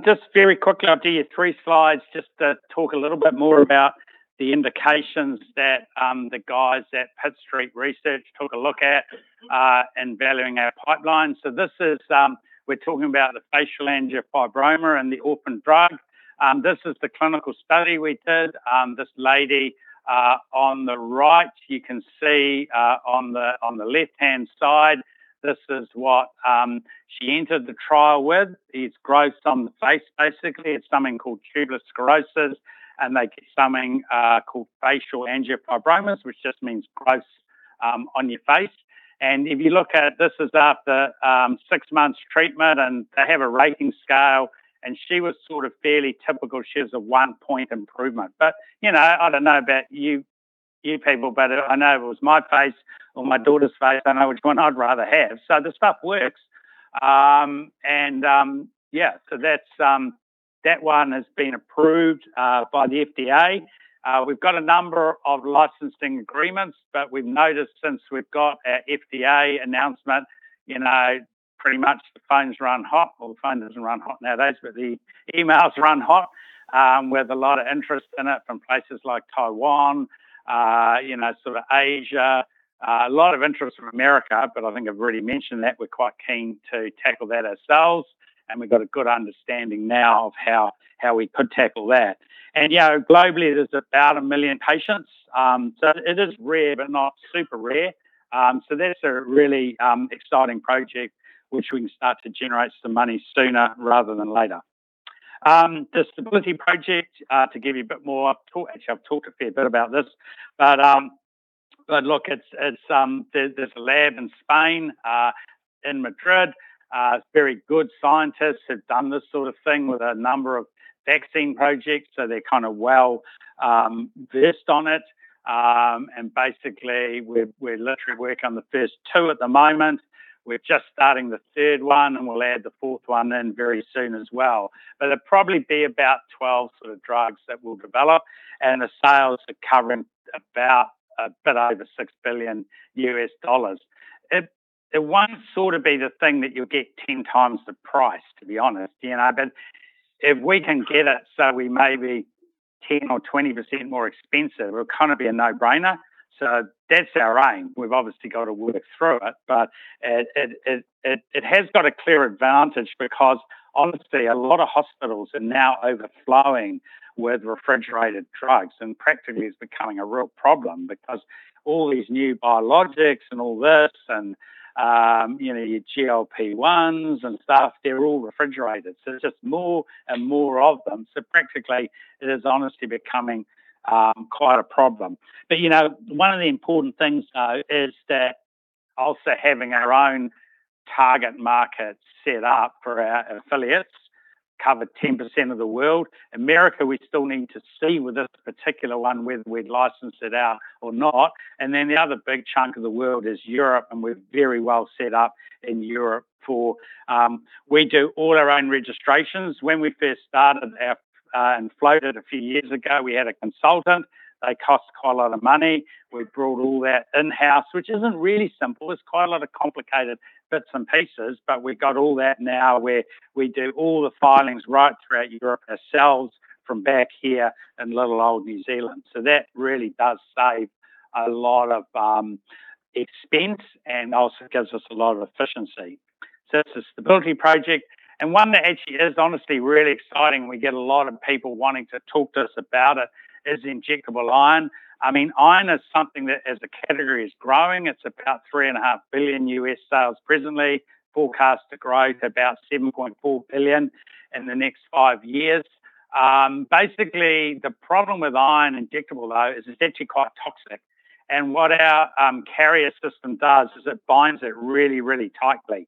Just very quickly, I'll do you three slides just to talk a little bit more about the indications that the guys at Pitt Street Research took a look at in valuing our pipeline. This is, we're talking about the facial angiofibroma and the orphan drug. This is the clinical study we did. This lady on the right, you can see on the left-hand side, this is what she entered the trial with. These growths on the face, basically. It's something called tuberous sclerosis, and they get something called facial angiofibromas, which just means growths on your face. If you look at, this is after six months treatment, and they have a rating scale, and she was fairly typical. She was a one-point improvement. I don't know about you people, but I know if it was my face or my daughter's face, I know which one I'd rather have. This stuff works. That one has been approved by the FDA. We've got a number of licensing agreements, we've noticed since we've got our FDA announcement, pretty much the phone's run hot. Well, the phone doesn't run hot nowadays, but the emails run hot, with a lot of interest in it from places like Taiwan, Asia. A lot of interest from America, I think I've already mentioned that we're quite keen to tackle that ourselves, and we've got a good understanding now of how we could tackle that. Globally, there's about 1 million patients. It is rare, but not super rare. That's a really exciting project, which we can start to generate some money sooner rather than later. The stability project, to give you a bit more, actually I've talked a fair bit about this, look, there's a lab in Spain, in Madrid. Very good scientists have done this sort of thing with a number of vaccine projects, so they're well-versed on it. Basically, we're literally working on the first two at the moment. We're just starting the third one, and we'll add the fourth one in very soon as well. There'd probably be about 12 sort of drugs that we'll develop, and the sales are current about a bit over $6 billion. It won't sort of be the thing that you'll get 10 times the price, to be honest. If we can get it so we maybe 10% or 20% more expensive, it will be a no-brainer. That's our aim. We've obviously got to work through it has got a clear advantage because honestly, a lot of hospitals are now overflowing with refrigerated drugs, and practically it's becoming a real problem because all these new biologics and all this, and your GLP-1s and stuff, they're all refrigerated, there's just more and more of them. One of the important things, though, is that also having our own target market set up for our affiliates cover 10% of the world. America, we still need to see with this particular one whether we'd license it out or not. The other big chunk of the world is Europe, we're very well set up in Europe. We do all our own registrations. When we first started and floated a few years ago, we had a consultant. They cost quite a lot of money. We brought all that in-house, which isn't really simple. It's quite a lot of complicated bits and pieces, but we've got all that now where we do all the filings right throughout Europe ourselves from back here in little old New Zealand. That really does save a lot of expense and also gives us a lot of efficiency. That's the stability project. One that actually is honestly really exciting, we get a lot of people wanting to talk to us about it is injectable iron. Iron is something that as the category is growing, it's about $3.5 billion sales presently, forecast to grow to about $7.4 billion in the next five years. The problem with iron injectable, though, is it's actually quite toxic. What our carrier system does is it binds it really tightly.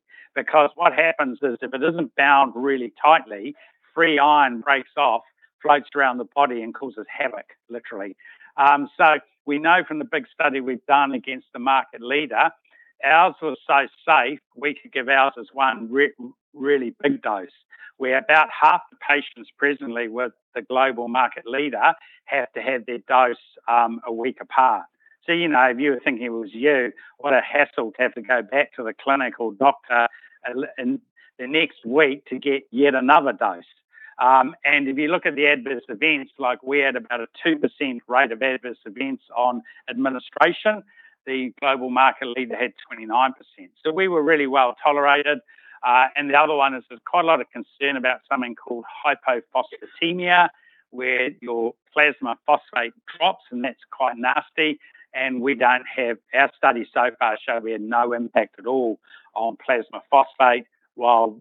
What happens is if it isn't bound really tightly, free iron breaks off, floats around the body, and causes havoc, literally. We know from the big study we've done against the market leader, ours was so safe we could give ours as one really big dose, where about half the patients presently with the global market leader have to have their dose a week apart. If you were thinking it was you, what a hassle to have to go back to the clinic or doctor the next week to get yet another dose. If you look at the adverse events, we had about a 2% rate of adverse events on administration. The global market leader had 29%. We were really well-tolerated. The other one is there's quite a lot of concern about something called hypophosphatemia, where your plasma phosphate drops, and that's quite nasty. Our studies so far show we had no impact at all on plasma phosphate, while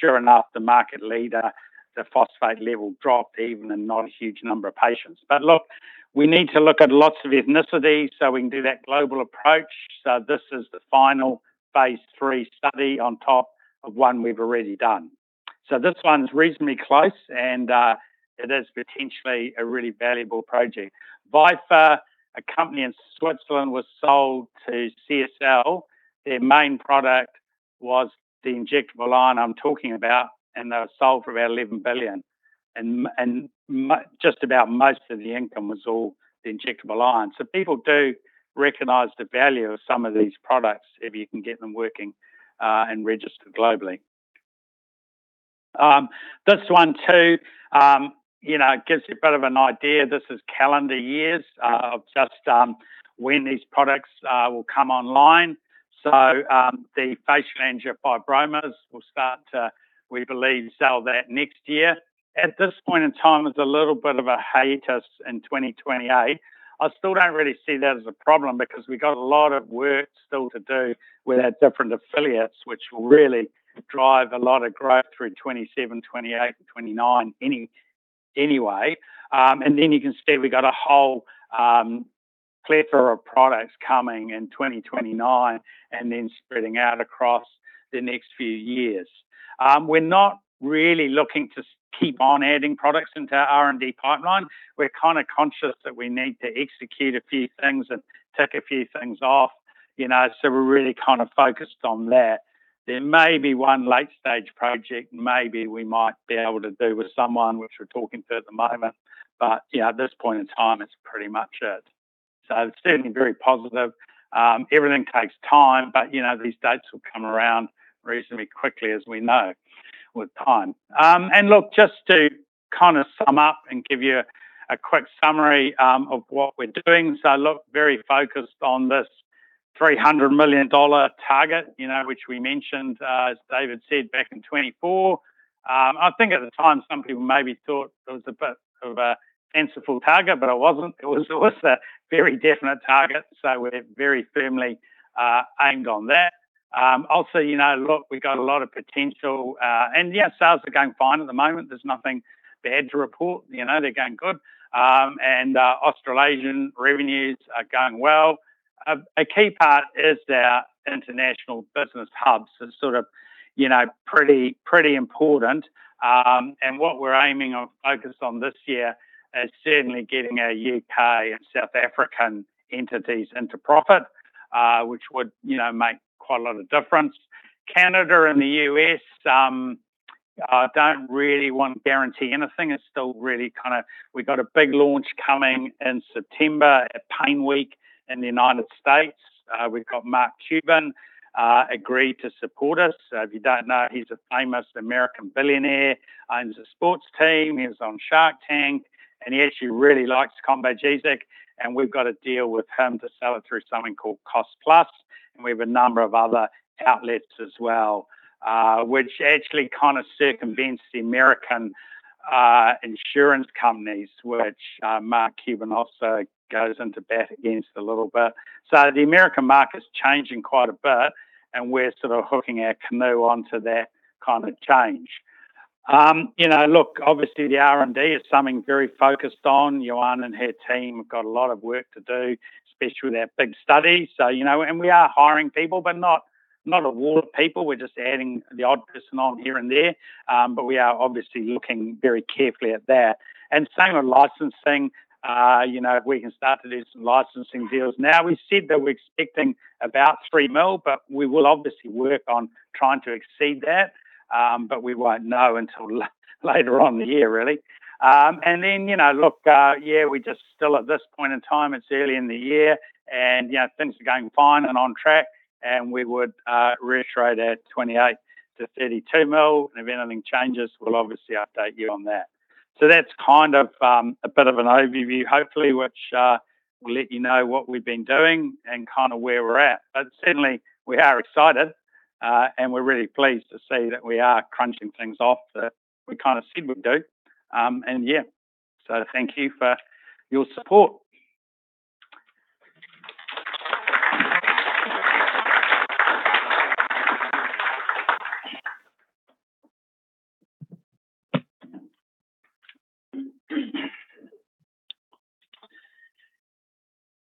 sure enough, the market leader, the phosphate level dropped even in not a huge number of patients. Look, we need to look at lots of ethnicities so we can do that global approach. This is the final phase III study on top of one we've already done. This one's reasonably close, and it is potentially a really valuable project. Vifor, a company in Switzerland, was sold to CSL. Their main product was the injectable iron I'm talking about, and they were sold for about 11 billion. Just about most of the income was all the injectable iron. People do recognize the value of some of these products if you can get them working and registered globally. This one too, gives you a bit of an idea. This is calendar years of just when these products will come online. The facial angiofibromas will start to, we believe, sell that next year. At this point in time, there's a little bit of a hiatus in 2028. I still don't really see that as a problem because we've got a lot of work still to do with our different affiliates, which will really drive a lot of growth through 2027, 2028, and 2029 anyway. You can see we've got a whole plethora of products coming in 2029 and then spreading out across the next few years. We're not really looking to keep on adding products into our R&D pipeline. We're kind of conscious that we need to execute a few things and tick a few things off. We're really focused on that. There may be one late-stage project maybe we might be able to do with someone which we're talking to at the moment. At this point in time, it's pretty much it. It's certainly very positive. Everything takes time. These dates will come around reasonably quickly as we know with time. Look, just to sum up and give you a quick summary of what we're doing. Look, very focused on this 300 million dollar target, which we mentioned, as David said, back in 2024. I think at the time some people maybe thought it was a bit of a fanciful target. It wasn't. It was always a very definite target. We're very firmly aimed on that. Look, we got a lot of potential. Yeah, sales are going fine at the moment. There's nothing bad to report. They're going good. Australasian revenues are going well. A key part is our international business hubs. It's sort of pretty important. What we're aiming or focused on this year is certainly getting our U.K. and South African entities into profit, which would make quite a lot of difference. Canada and the U.S., I don't really want to guarantee anything. We got a big launch coming in September at PAINWeek in the United States. We've got Mark Cuban agreed to support us. If you don't know, he's a famous American billionaire, owns a sports team, he was on Shark Tank, and he actually really likes Combogesic, and we've got a deal with him to sell it through something called Cost Plus. We have a number of other outlets as well, which actually kind of circumvents the American insurance companies, which Mark Cuban also goes into bat against a little bit. The American market's changing quite a bit. We're sort of hooking our canoe onto that kind of change. Look, obviously the R&D is something very focused on. Ioana and her team have got a lot of work to do, especially with our big study. We are hiring people, not a lot of people. We're just adding the odd person on here and there. We are obviously looking very carefully at that. Same with licensing. If we can start to do some licensing deals now. We said that we're expecting about 3 million. We will obviously work on trying to exceed that. We won't know until later on in the year really. We're just still at this point in time, it's early in the year, and things are going fine and on track, and we would reiterate our 28 million-32 million, and if anything changes, we'll obviously update you on that. That's kind of a bit of an overview, hopefully, which will let you know what we've been doing and kind of where we're at. Certainly, we are excited, and we're really pleased to see that we are crunching things off that we kind of said we'd do. Yeah. Thank you for your support.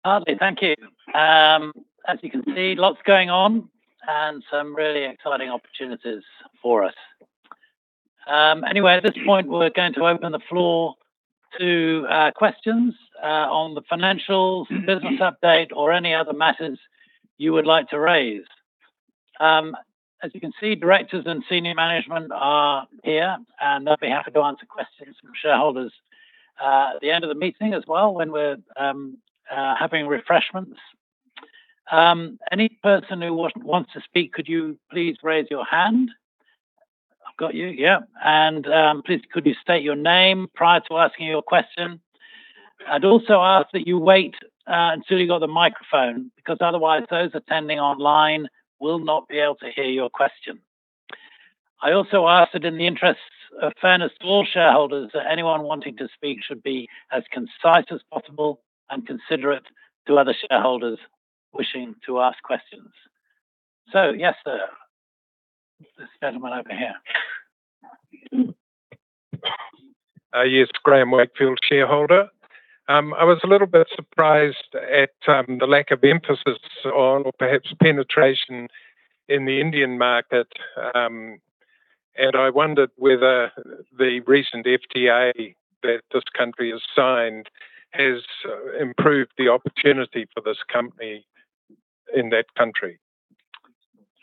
Hartley, thank you. As you can see, lots going on and some really exciting opportunities for us. At this point, we're going to open the floor to questions on the financials, business update, or any other matters you would like to raise. As you can see, directors and senior management are here, and they'll be happy to answer questions from shareholders at the end of the meeting as well when we're having refreshments. Any person who wants to speak, could you please raise your hand? I've got you, yeah. Please, could you state your name prior to asking your question? I'd also ask that you wait until you've got the microphone, because otherwise those attending online will not be able to hear your question. I also ask that in the interest of fairness to all shareholders, that anyone wanting to speak should be as concise as possible and considerate to other shareholders wishing to ask questions. Yes, sir. This gentleman over here. Yes, Graham Wakefield, shareholder. I was a little bit surprised at the lack of emphasis on, or perhaps penetration, in the Indian market. I wondered whether the recent FTA that this country has signed has improved the opportunity for this company in that country.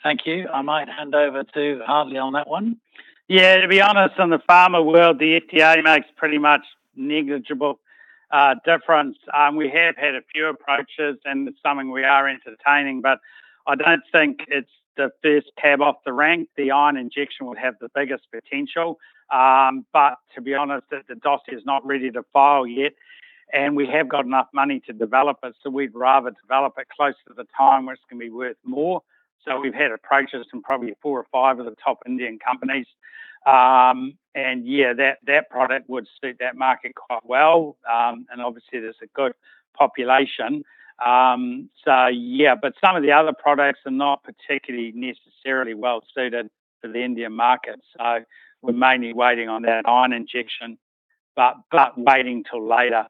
Thank you. I might hand over to Hartley on that one. To be honest, in the pharma world, the FTA makes pretty much negligible difference. We have had a few approaches, and it's something we are entertaining, but I don't think it's the first cab off the rank. The iron injection will have the biggest potential. To be honest, the dossier's not ready to file yet, and we have got enough money to develop it, so we'd rather develop it closer to the time where it's going to be worth more. We've had approaches from probably four or five of the top Indian companies. That product would suit that market quite well. Obviously there's a good population. Some of the other products are not particularly necessarily well-suited for the Indian market, so we're mainly waiting on that iron injection. Waiting till later.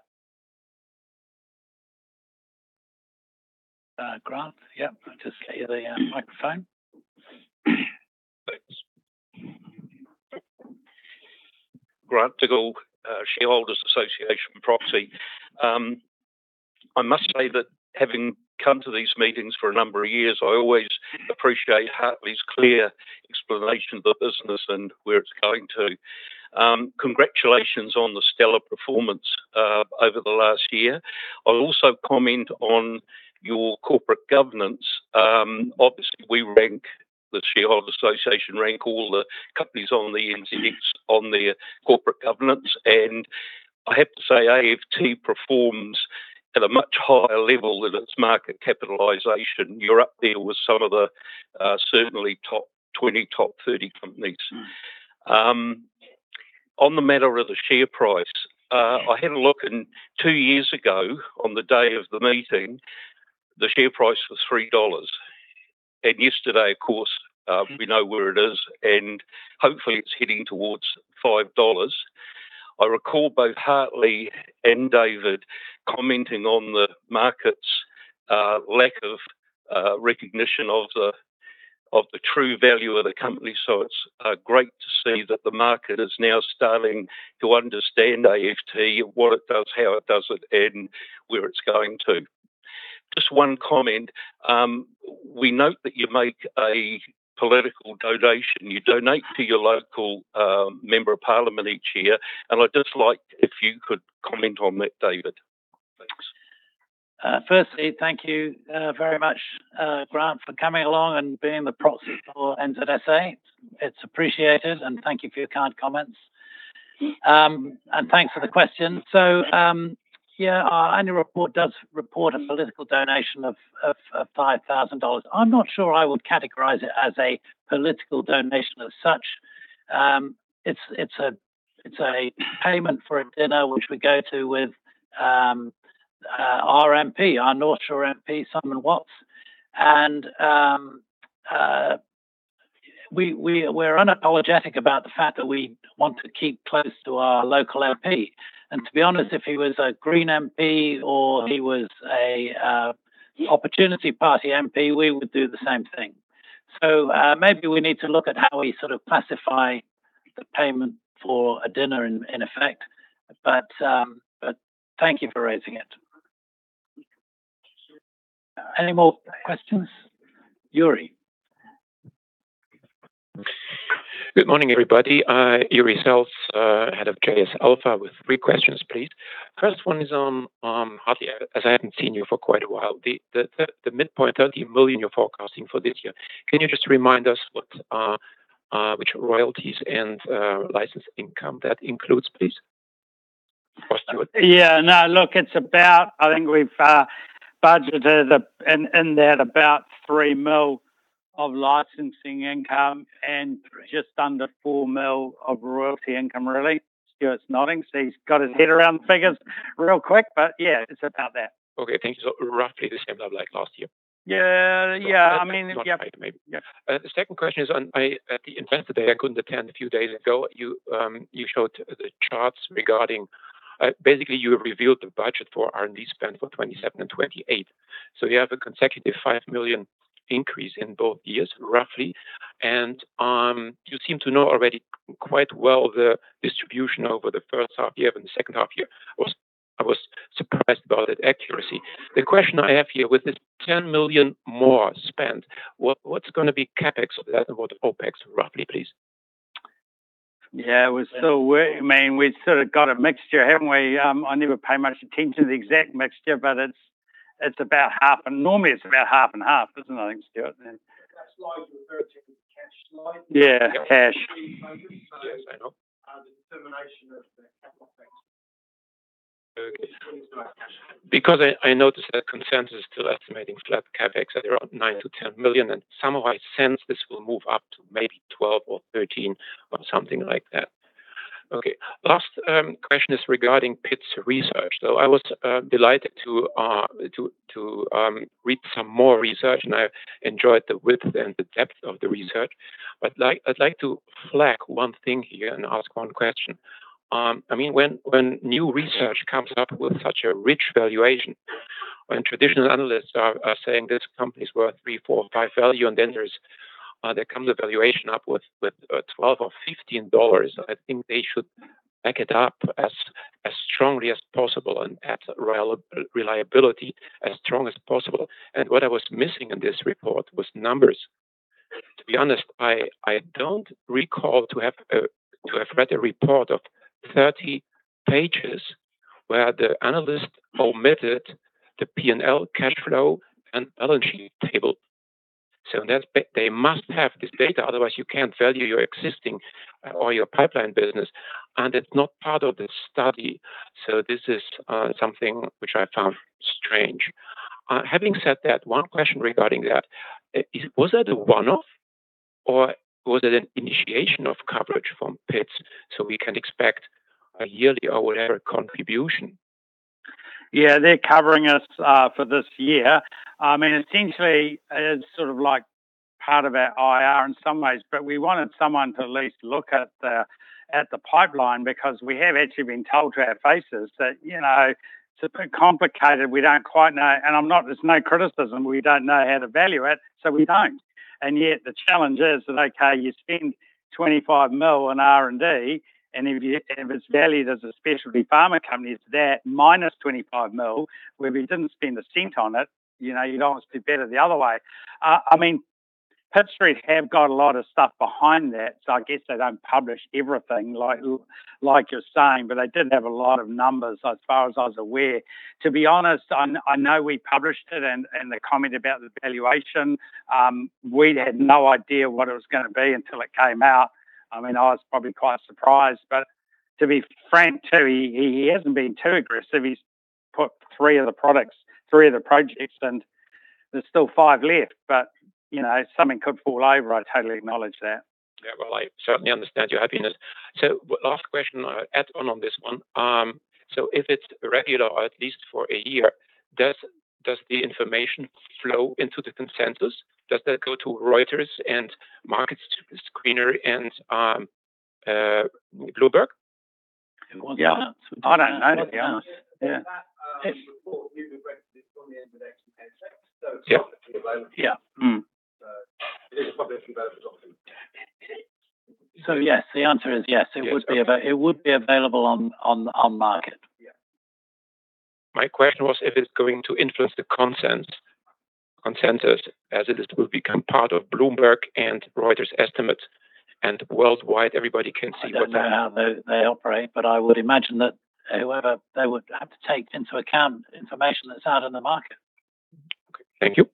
Grant. I'll just get you the microphone. Thanks. Grant Diggle, Shareholders' Association, Proxy. I must say that having come to these meetings for a number of years, I always appreciate Hartley's clear explanation of the business and where it's going to. Congratulations on the stellar performance over the last year. I'll also comment on your corporate governance. Obviously, we rank, the Shareholders Association rank all the companies on the NZX on their corporate governance. I have to say AFT performs at a much higher level than its market capitalization. You're up there with some of the certainly top 20, top 30 companies. On the matter of the share price, I had a look and two years ago, on the day of the meeting, the share price was 3 dollars. Yesterday of course, we know where it is, and hopefully it's heading towards 5 dollars. I recall both Hartley and David commenting on the market's lack of recognition of the true value of the company, it's great to see that the market is now starting to understand AFT, what it does, how it does it, and where it's going to. Just one comment. We note that you make a political donation. You donate to your local member of parliament each year. I'd just like if you could comment on that, David. Thanks. Firstly, thank you very much, Grant, for coming along and being the proxy for NZSA. It's appreciated, thank you for your kind comments. Thanks for the question. Yeah, our annual report does report a political donation of 5,000 dollars. I'm not sure I would categorize it as a political donation as such. It's a payment for a dinner which we go to with our MP, our North Shore MP, Simon Watts. We're unapologetic about the fact that we want to keep close to our local MP. To be honest, if he was a Green MP or he was a Opportunity Party MP, we would do the same thing. Maybe we need to look at how we classify the payment for a dinner, in effect. Thank you for raising it. Any more questions? Yuri. Good morning, everybody. I, [Yuri Selz], Head of [JS Alpha] with three questions please. First one is on Hartley, as I haven't seen you for quite a while. The midpoint 30 million you're forecasting for this year, can you just remind us which royalties and license income that includes, please? Stuart? Yeah. I think we've budgeted in that about 3 million of licensing income and just under 4 million of royalty income, really. Stuart's nodding, so he's got his head around the figures real quick, but yeah, it's about that. Okay, thank you. Roughly the same level like last year? Yeah. The second question is, at the Investor Day I couldn't attend a few days ago, you showed the charts regarding, basically you revealed the budget for R&D spend for 2027 and 2028. You have a consecutive 5 million increase in both years, roughly. You seem to know already quite well the distribution over the first half year and the second half year. I was surprised about that accuracy. The question I have here, with this 10 million more spend, what's going to be CapEx of that and what OpEx roughly, please? Yeah, we're still working. We've sort of got a mixture, haven't we? I never pay much attention to the exact mixture, but normally it's about half and half, isn't it, I think, Stuart? That slide you're referring to is the cash slide. Yeah, cash. Yes, I know the determination of the capital expenditure. Okay. It's really just about cash. I noticed that consensus is still estimating CapEx at around 9 million-10 million, and somehow I sense this will move up to maybe 12 or 13 or something like that. Last question is regarding Pitt Street Research. I was delighted to read some more research, and I enjoyed the width and the depth of the research. I'd like to flag one thing here and ask one question. When new research comes up with such a rich valuation, when traditional analysts are saying this company's worth three, four, five value, and then there comes a valuation up with 12 or 15 dollars, I think they should back it up as strongly as possible and add reliability as strong as possible. What I was missing in this report was numbers. To be honest, I don't recall to have read a report of 30 pages where the analyst omitted the P&L cash flow and balance sheet table. They must have this data, otherwise you can't value your existing or your pipeline business, and it's not part of the study. This is something which I found strange. Having said that, one question regarding that, was that a one-off, or was it an initiation of coverage from Pitt Street so we can expect a yearly or whatever contribution? They're covering us for this year. Essentially, it's sort of part of our IR in some ways, but we wanted someone to at least look at the pipeline because we have actually been told to our faces that it's a bit complicated. We don't quite know. There's no criticism, we don't know how to value it, so we don't. Yet the challenge is that, okay, you spend 25 million on R&D, and if it's valued as a specialty pharma company, it's that -25 million, where if you didn't spend NZD 0.01 on it, you'd almost be better the other way. Pitt Street have got a lot of stuff behind that, I guess they don't publish everything like you're saying, but they did have a lot of numbers as far as I was aware. To be honest, I know we published it and the comment about the valuation. We'd had no idea what it was going to be until it came out. I was probably quite surprised, to be frank, too, he hasn't been too aggressive. He's put three of the projects, and there's still five left. Something could fall over, I totally acknowledge that. Well, I certainly understand your happiness. Last question, I'll add on on this one. If it's regular, or at least for a year, does the information flow into the consensus? Does that go to Reuters and MarketScreener and Bloomberg? It wasn't that. Yeah. I don't know. Yeah. It is published for both of those. Yes, the answer is yes, it would be available on market. My question was if it's going to influence the consensus as it will become part of Bloomberg and Reuters estimates, and worldwide everybody can see what. I don't know how they operate, but I would imagine that whoever, they would have to take into account information that's out in the market. Okay, thank you.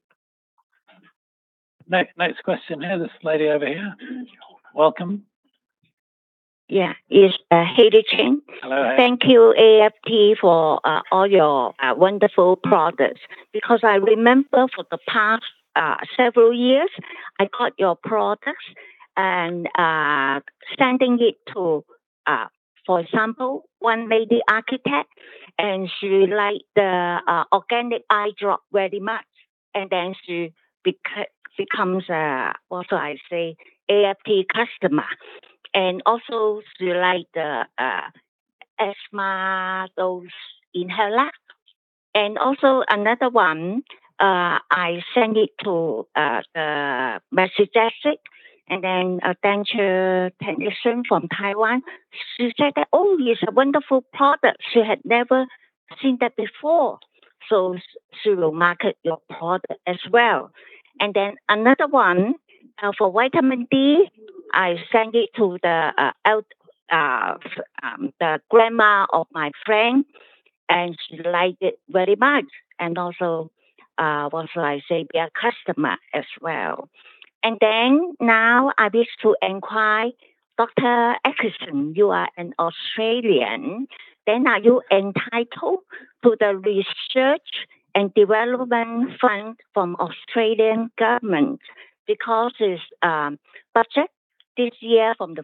Next question here, this lady over here. Welcome. Yeah. It's Haley Chin. Hello. Thank you, AFT, for all your wonderful products. I remember for the past several years, I got your products and sending it to, for example, one lady architect, and she liked the organic eye drop very much. She becomes a, what should I say, AFT customer. She liked the asthma dose inhaler. Another one, I send it to the message desk and then a denture technician from Taiwan. She said that, oh, it's a wonderful product. She had never seen that before. She will market your product as well. Another one, for vitamin D, I send it to the grandma of my friend, and she liked it very much. What should I say, be a customer as well. Now I wish to inquire, Dr. Atkinson, you are an Australian, are you entitled to the R&D fund from Australian Government? It's budget this year from the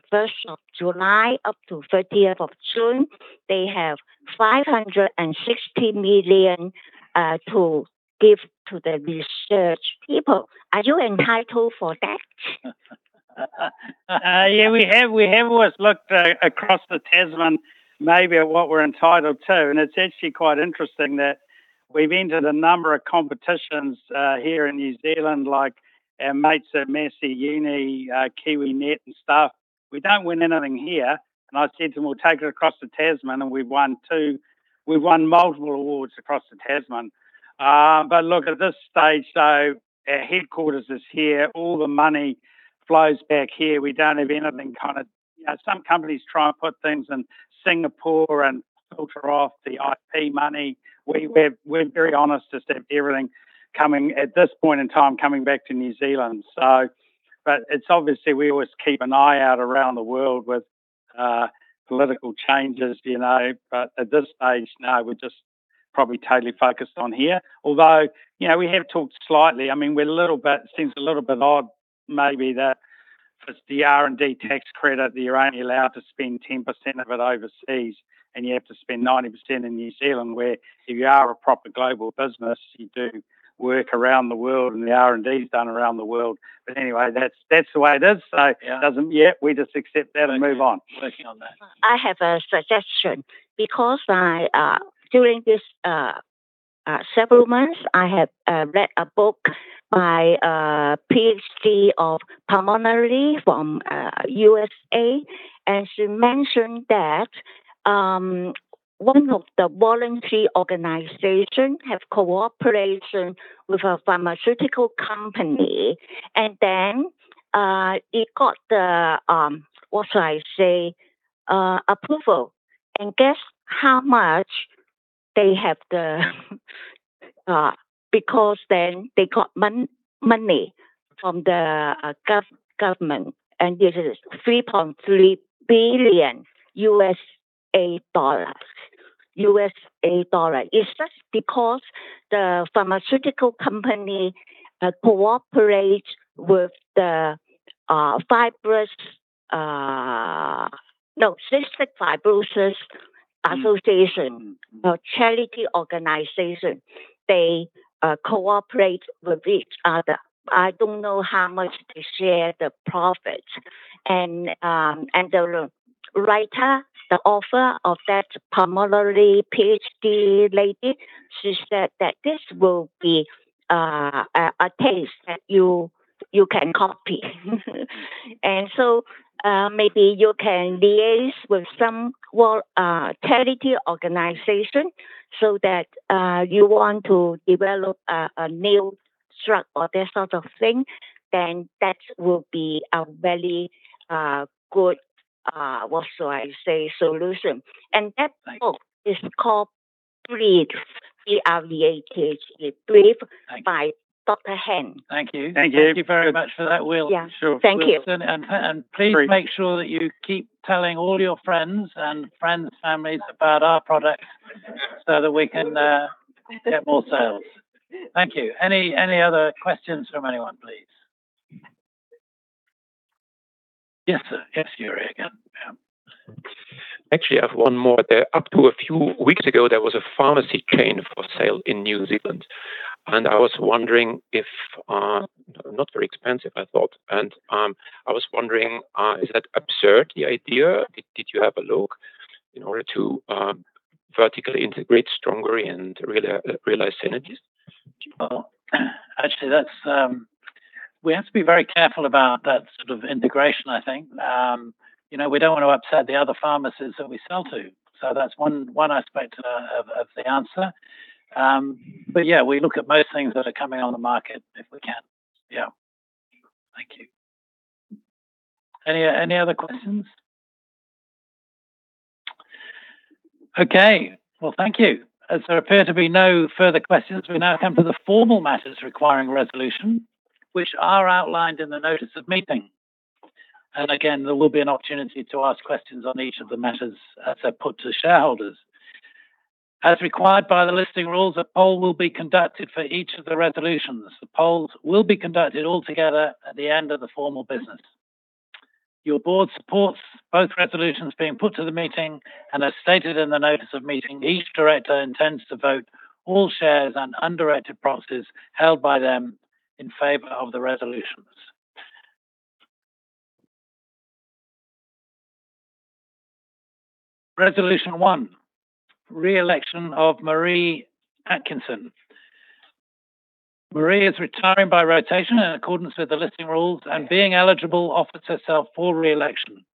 July 1st up to June 30th, they have 560 million to give to the research people. Are you entitled for that? We have always looked across the Tasman, maybe at what we're entitled to, and it's actually quite interesting that we've entered a number of competitions here in New Zealand, like our mates at Massey University, KiwiNet and stuff. We don't win anything here, and I said to them, we'll take it across to Tasman, and we've won multiple awards across to Tasman. At this stage though, our headquarters is here. All the money flows back here. We don't have anything kind of Some companies try and put things in Singapore and filter off the IP money. We're very honest just to have everything, at this point in time, coming back to New Zealand. Obviously we always keep an eye out around the world with political changes. At this stage, no, we're just probably totally focused on here. Although, we have talked slightly. It seems a little bit odd maybe that for the R&D tax credit, that you're only allowed to spend 10% of it overseas, and you have to spend 90% in New Zealand, where if you are a proper global business, you do work around the world and the R&D's done around the world. Anyway, that's the way it is. We just accept that and move on. Working on that. I have a suggestion because during these several months, I have read a book by a PhD of pulmonary from U.S.A., and she mentioned that one of the voluntary organization have cooperation with a pharmaceutical company, and then it got the, what should I say, approval. Guess how much they have. Because then they got money from the government, and this is $3.3 billion. It's just because the pharmaceutical company cooperates with the cystic fibrosis association, a charity organization. They cooperate with each other. I don't know how much they share the profits. The writer, the author of that pulmonary PhD lady, she said that this will be a test that you can copy. Maybe you can liaise with some charity organization so that you want to develop a new drug or that sort of thing, then that will be a very good, what should I say, solution. Thank you. That book is called Breathe, B-R-E-A-T-H-E, Breathe by Dr. Han. Thank you. Thank you very much for that. Yeah. Thank you. Certainly. Please make sure that you keep telling all your friends and friends' families about our products so that we can get more sales. Thank you. Any other questions from anyone, please? Yes, sir. Yes, Yuri again. Yeah. Actually, I have one more there. Up to a few weeks ago, there was a pharmacy chain for sale in New Zealand, not very expensive I thought. I was wondering, is that absurd, the idea? Did you have a look in order to vertically integrate strongly and realize synergies? Do you know? Actually, we have to be very careful about that sort of integration, I think. We don't want to upset the other pharmacists that we sell to. That's one aspect of the answer. Yeah, we look at most things that are coming on the market if we can. Yeah. Thank you. Any other questions? Okay. Well, thank you. As there appear to be no further questions, we now come to the formal matters requiring resolution, which are outlined in the notice of meeting. Again, there will be an opportunity to ask questions on each of the matters as they're put to shareholders. As required by the Listing Rules, a poll will be conducted for each of the resolutions. The polls will be conducted altogether at the end of the formal business. Your board supports both resolutions being put to the meeting. As stated in the notice of meeting, each director intends to vote all shares and undirected proxies held by them in favor of the resolutions. Resolution one, re-election of Marree Atkinson. Marree is retiring by rotation in accordance with the Listing Rules, and being eligible, offers herself for re-election.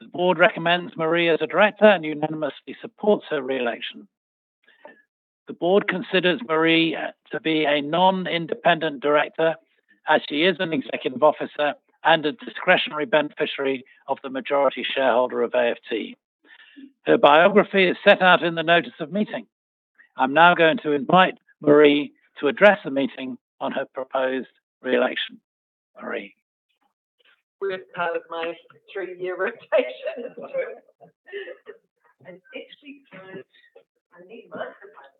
The board recommends Marree as a Director and unanimously supports her re-election. The board considers Marree to be a non-independent Director as she is an executive officer and a discretionary beneficiary of the majority shareholder of AFT. Her biography is set out in the notice of meeting. I'm now going to invite Marree to address the meeting on her proposed re-election. Marree? We're part of my three-year rotation. I actually can't. I need microphone.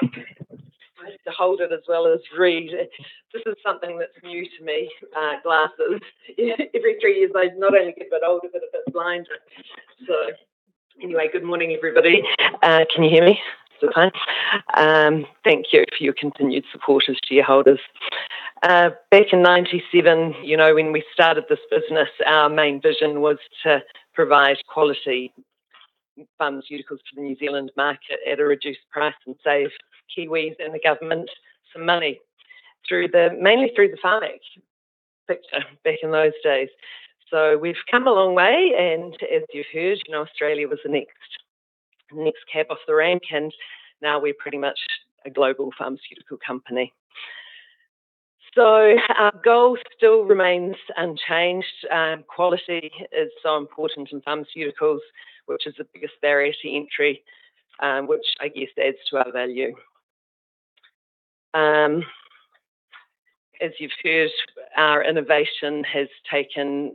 Sorry. I have to hold it as well as read it. This is something that's new to me, glasses. Every three years, I not only get a bit older, but a bit blinder. Anyway, good morning, everybody. Can you hear me okay? Thank you for your continued support as shareholders. Back in 1997, when we started this business, our main vision was to provide quality pharmaceuticals to the New Zealand market at a reduced price and save Kiwis and the government some money, mainly through the pharma sector back in those days. We've come a long way, and as you heard, Australia was the next cab off the rank. Now we're pretty much a global pharmaceutical company. Our goal still remains unchanged. Quality is so important in pharmaceuticals, which is the biggest barrier to entry, which I guess adds to our value. As you've heard, our innovation has taken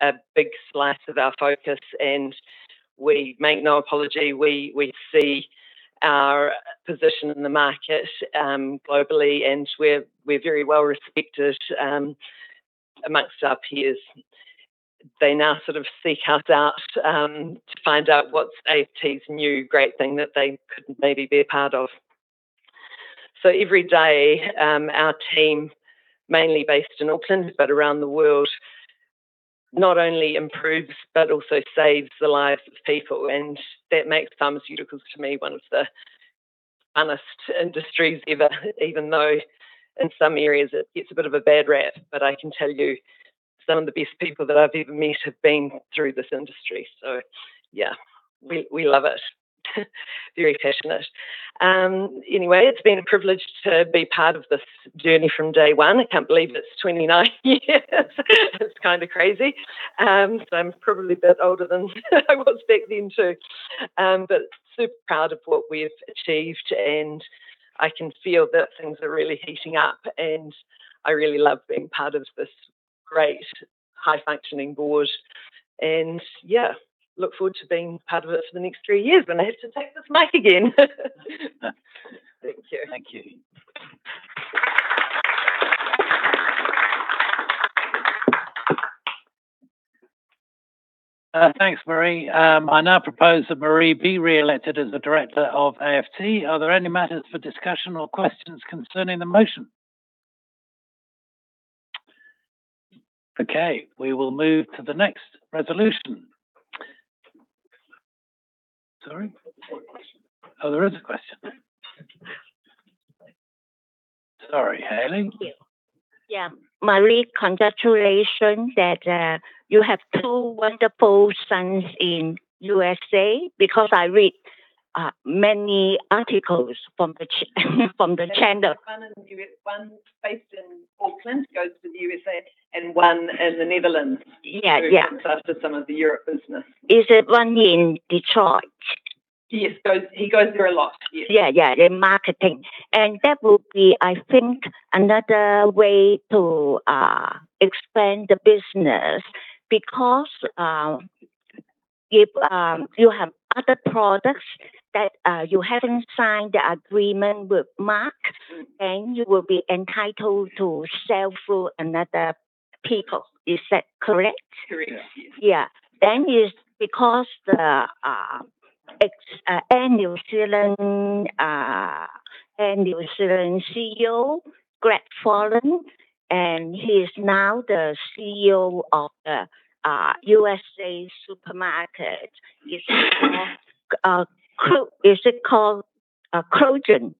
a big slice of our focus and we make no apology. We see our position in the market globally. We're very well respected amongst our peers. They now sort of seek us out to find out what's AFT's new great thing that they could maybe be a part of. Every day, our team, mainly based in Auckland, but around the world, not only improves, but also saves the lives of people. That makes pharmaceuticals, to me, one of the honest industries ever, even though in some areas it gets a bit of a bad rap. I can tell you, some of the best people that I've ever met have been through this industry. Yeah, we love it. Very passionate. Anyway, it's been a privilege to be part of this journey from day one. I can't believe it's 29 years. It's kind of crazy. I'm probably a bit older than I was back then, too. Super proud of what we've achieved. I can feel that things are really heating up. I really love being part of this great high-functioning board. Yeah, look forward to being part of it for the next three years when I have to take this mic again. Thank you. Thank you. Thanks, Marree. I now propose that Marree be re-elected as a Director of AFT. Are there any matters for discussion or questions concerning the motion? Okay, we will move to the next resolution. Sorry? There's a question. Oh, there is a question. Sorry, Haley? Yeah. Marree, congratulations that you have two wonderful sons in U.S.A. because I read many articles from the channel. One's based in Auckland, goes to the U.S.A., and one in the Netherlands. Yeah. Who looks after some of the Europe business. Is it one in Detroit? He goes there a lot. Yes. Yeah. They're marketing. That will be, I think, another way to expand the business. If you have other products that you haven't signed the agreement with Mark, then you will be entitled to sell through another people. Is that correct? Correct. Yes. Yeah. It's because the ex-New Zealand CEO, Greg Foran, he's now the CEO of a U.S.A. supermarket. Is that correct? Is it called Kroger?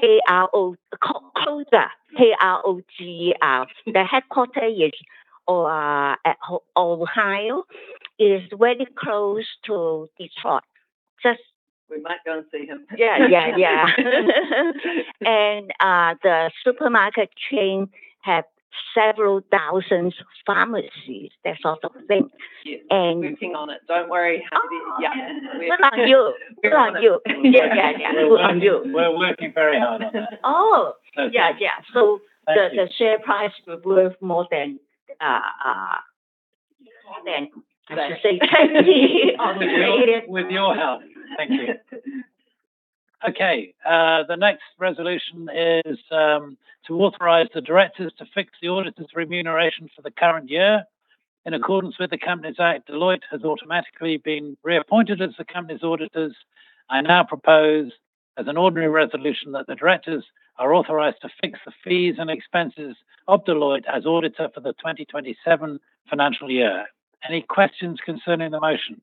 K-R-O- Kroger. K-R-O-G-E-R. The headquarter is at Ohio. It's very close to Detroit. We might go and see him. Yeah. Yeah. The supermarket chain have several thousands pharmacies, that sort of thing. Yes. We're working on it. Don't worry, Haley. Yeah. We want you. We want you. Yeah. We want you. We're working very hard on that. Oh. Okay. Yeah. Thank you. The share price will worth more than I should say. With your help. Thank you. Okay. The next resolution is to authorize the directors to fix the auditors' remuneration for the current year. In accordance with the Companies Act, Deloitte has automatically been reappointed as the company's auditors. I now propose as an ordinary resolution that the directors are authorized to fix the fees and expenses of Deloitte as auditor for the 2027 financial year. Any questions concerning the motion?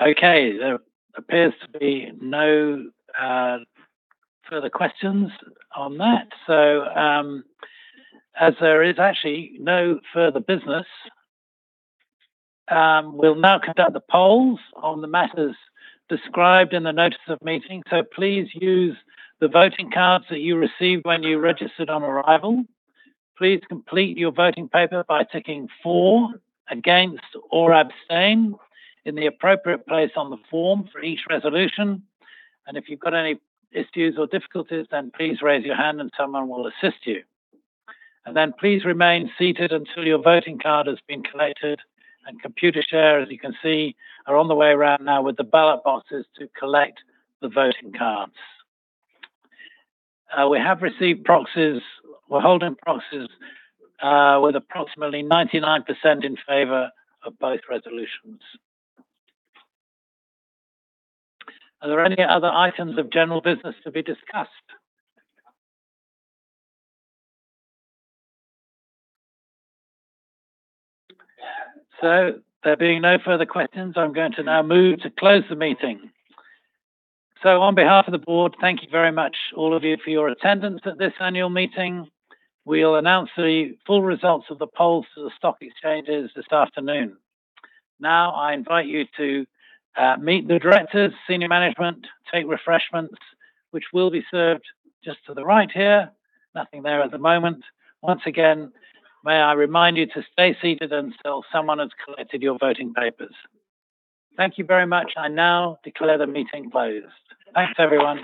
Okay. There appears to be no further questions on that. As there is actually no further business, we'll now conduct the polls on the matters described in the notice of meeting. Please use the voting cards that you received when you registered on arrival. Please complete your voting paper by ticking for, against, or abstain in the appropriate place on the form for each resolution. If you've got any issues or difficulties, then please raise your hand and someone will assist you. Then please remain seated until your voting card has been collected. Computershare, as you can see, are on the way around now with the ballot boxes to collect the voting cards. We're holding proxies with approximately 99% in favor of both resolutions. Are there any other items of general business to be discussed? There being no further questions, I'm going to now move to close the meeting. On behalf of the board, thank you very much all of you for your attendance at this annual meeting. We'll announce the full results of the polls to the stock exchanges this afternoon. Now, I invite you to meet the directors, senior management, take refreshments, which will be served just to the right here. Nothing there at the moment. Once again, may I remind you to stay seated until someone has collected your voting papers. Thank you very much. I now declare the meeting closed. Thanks, everyone.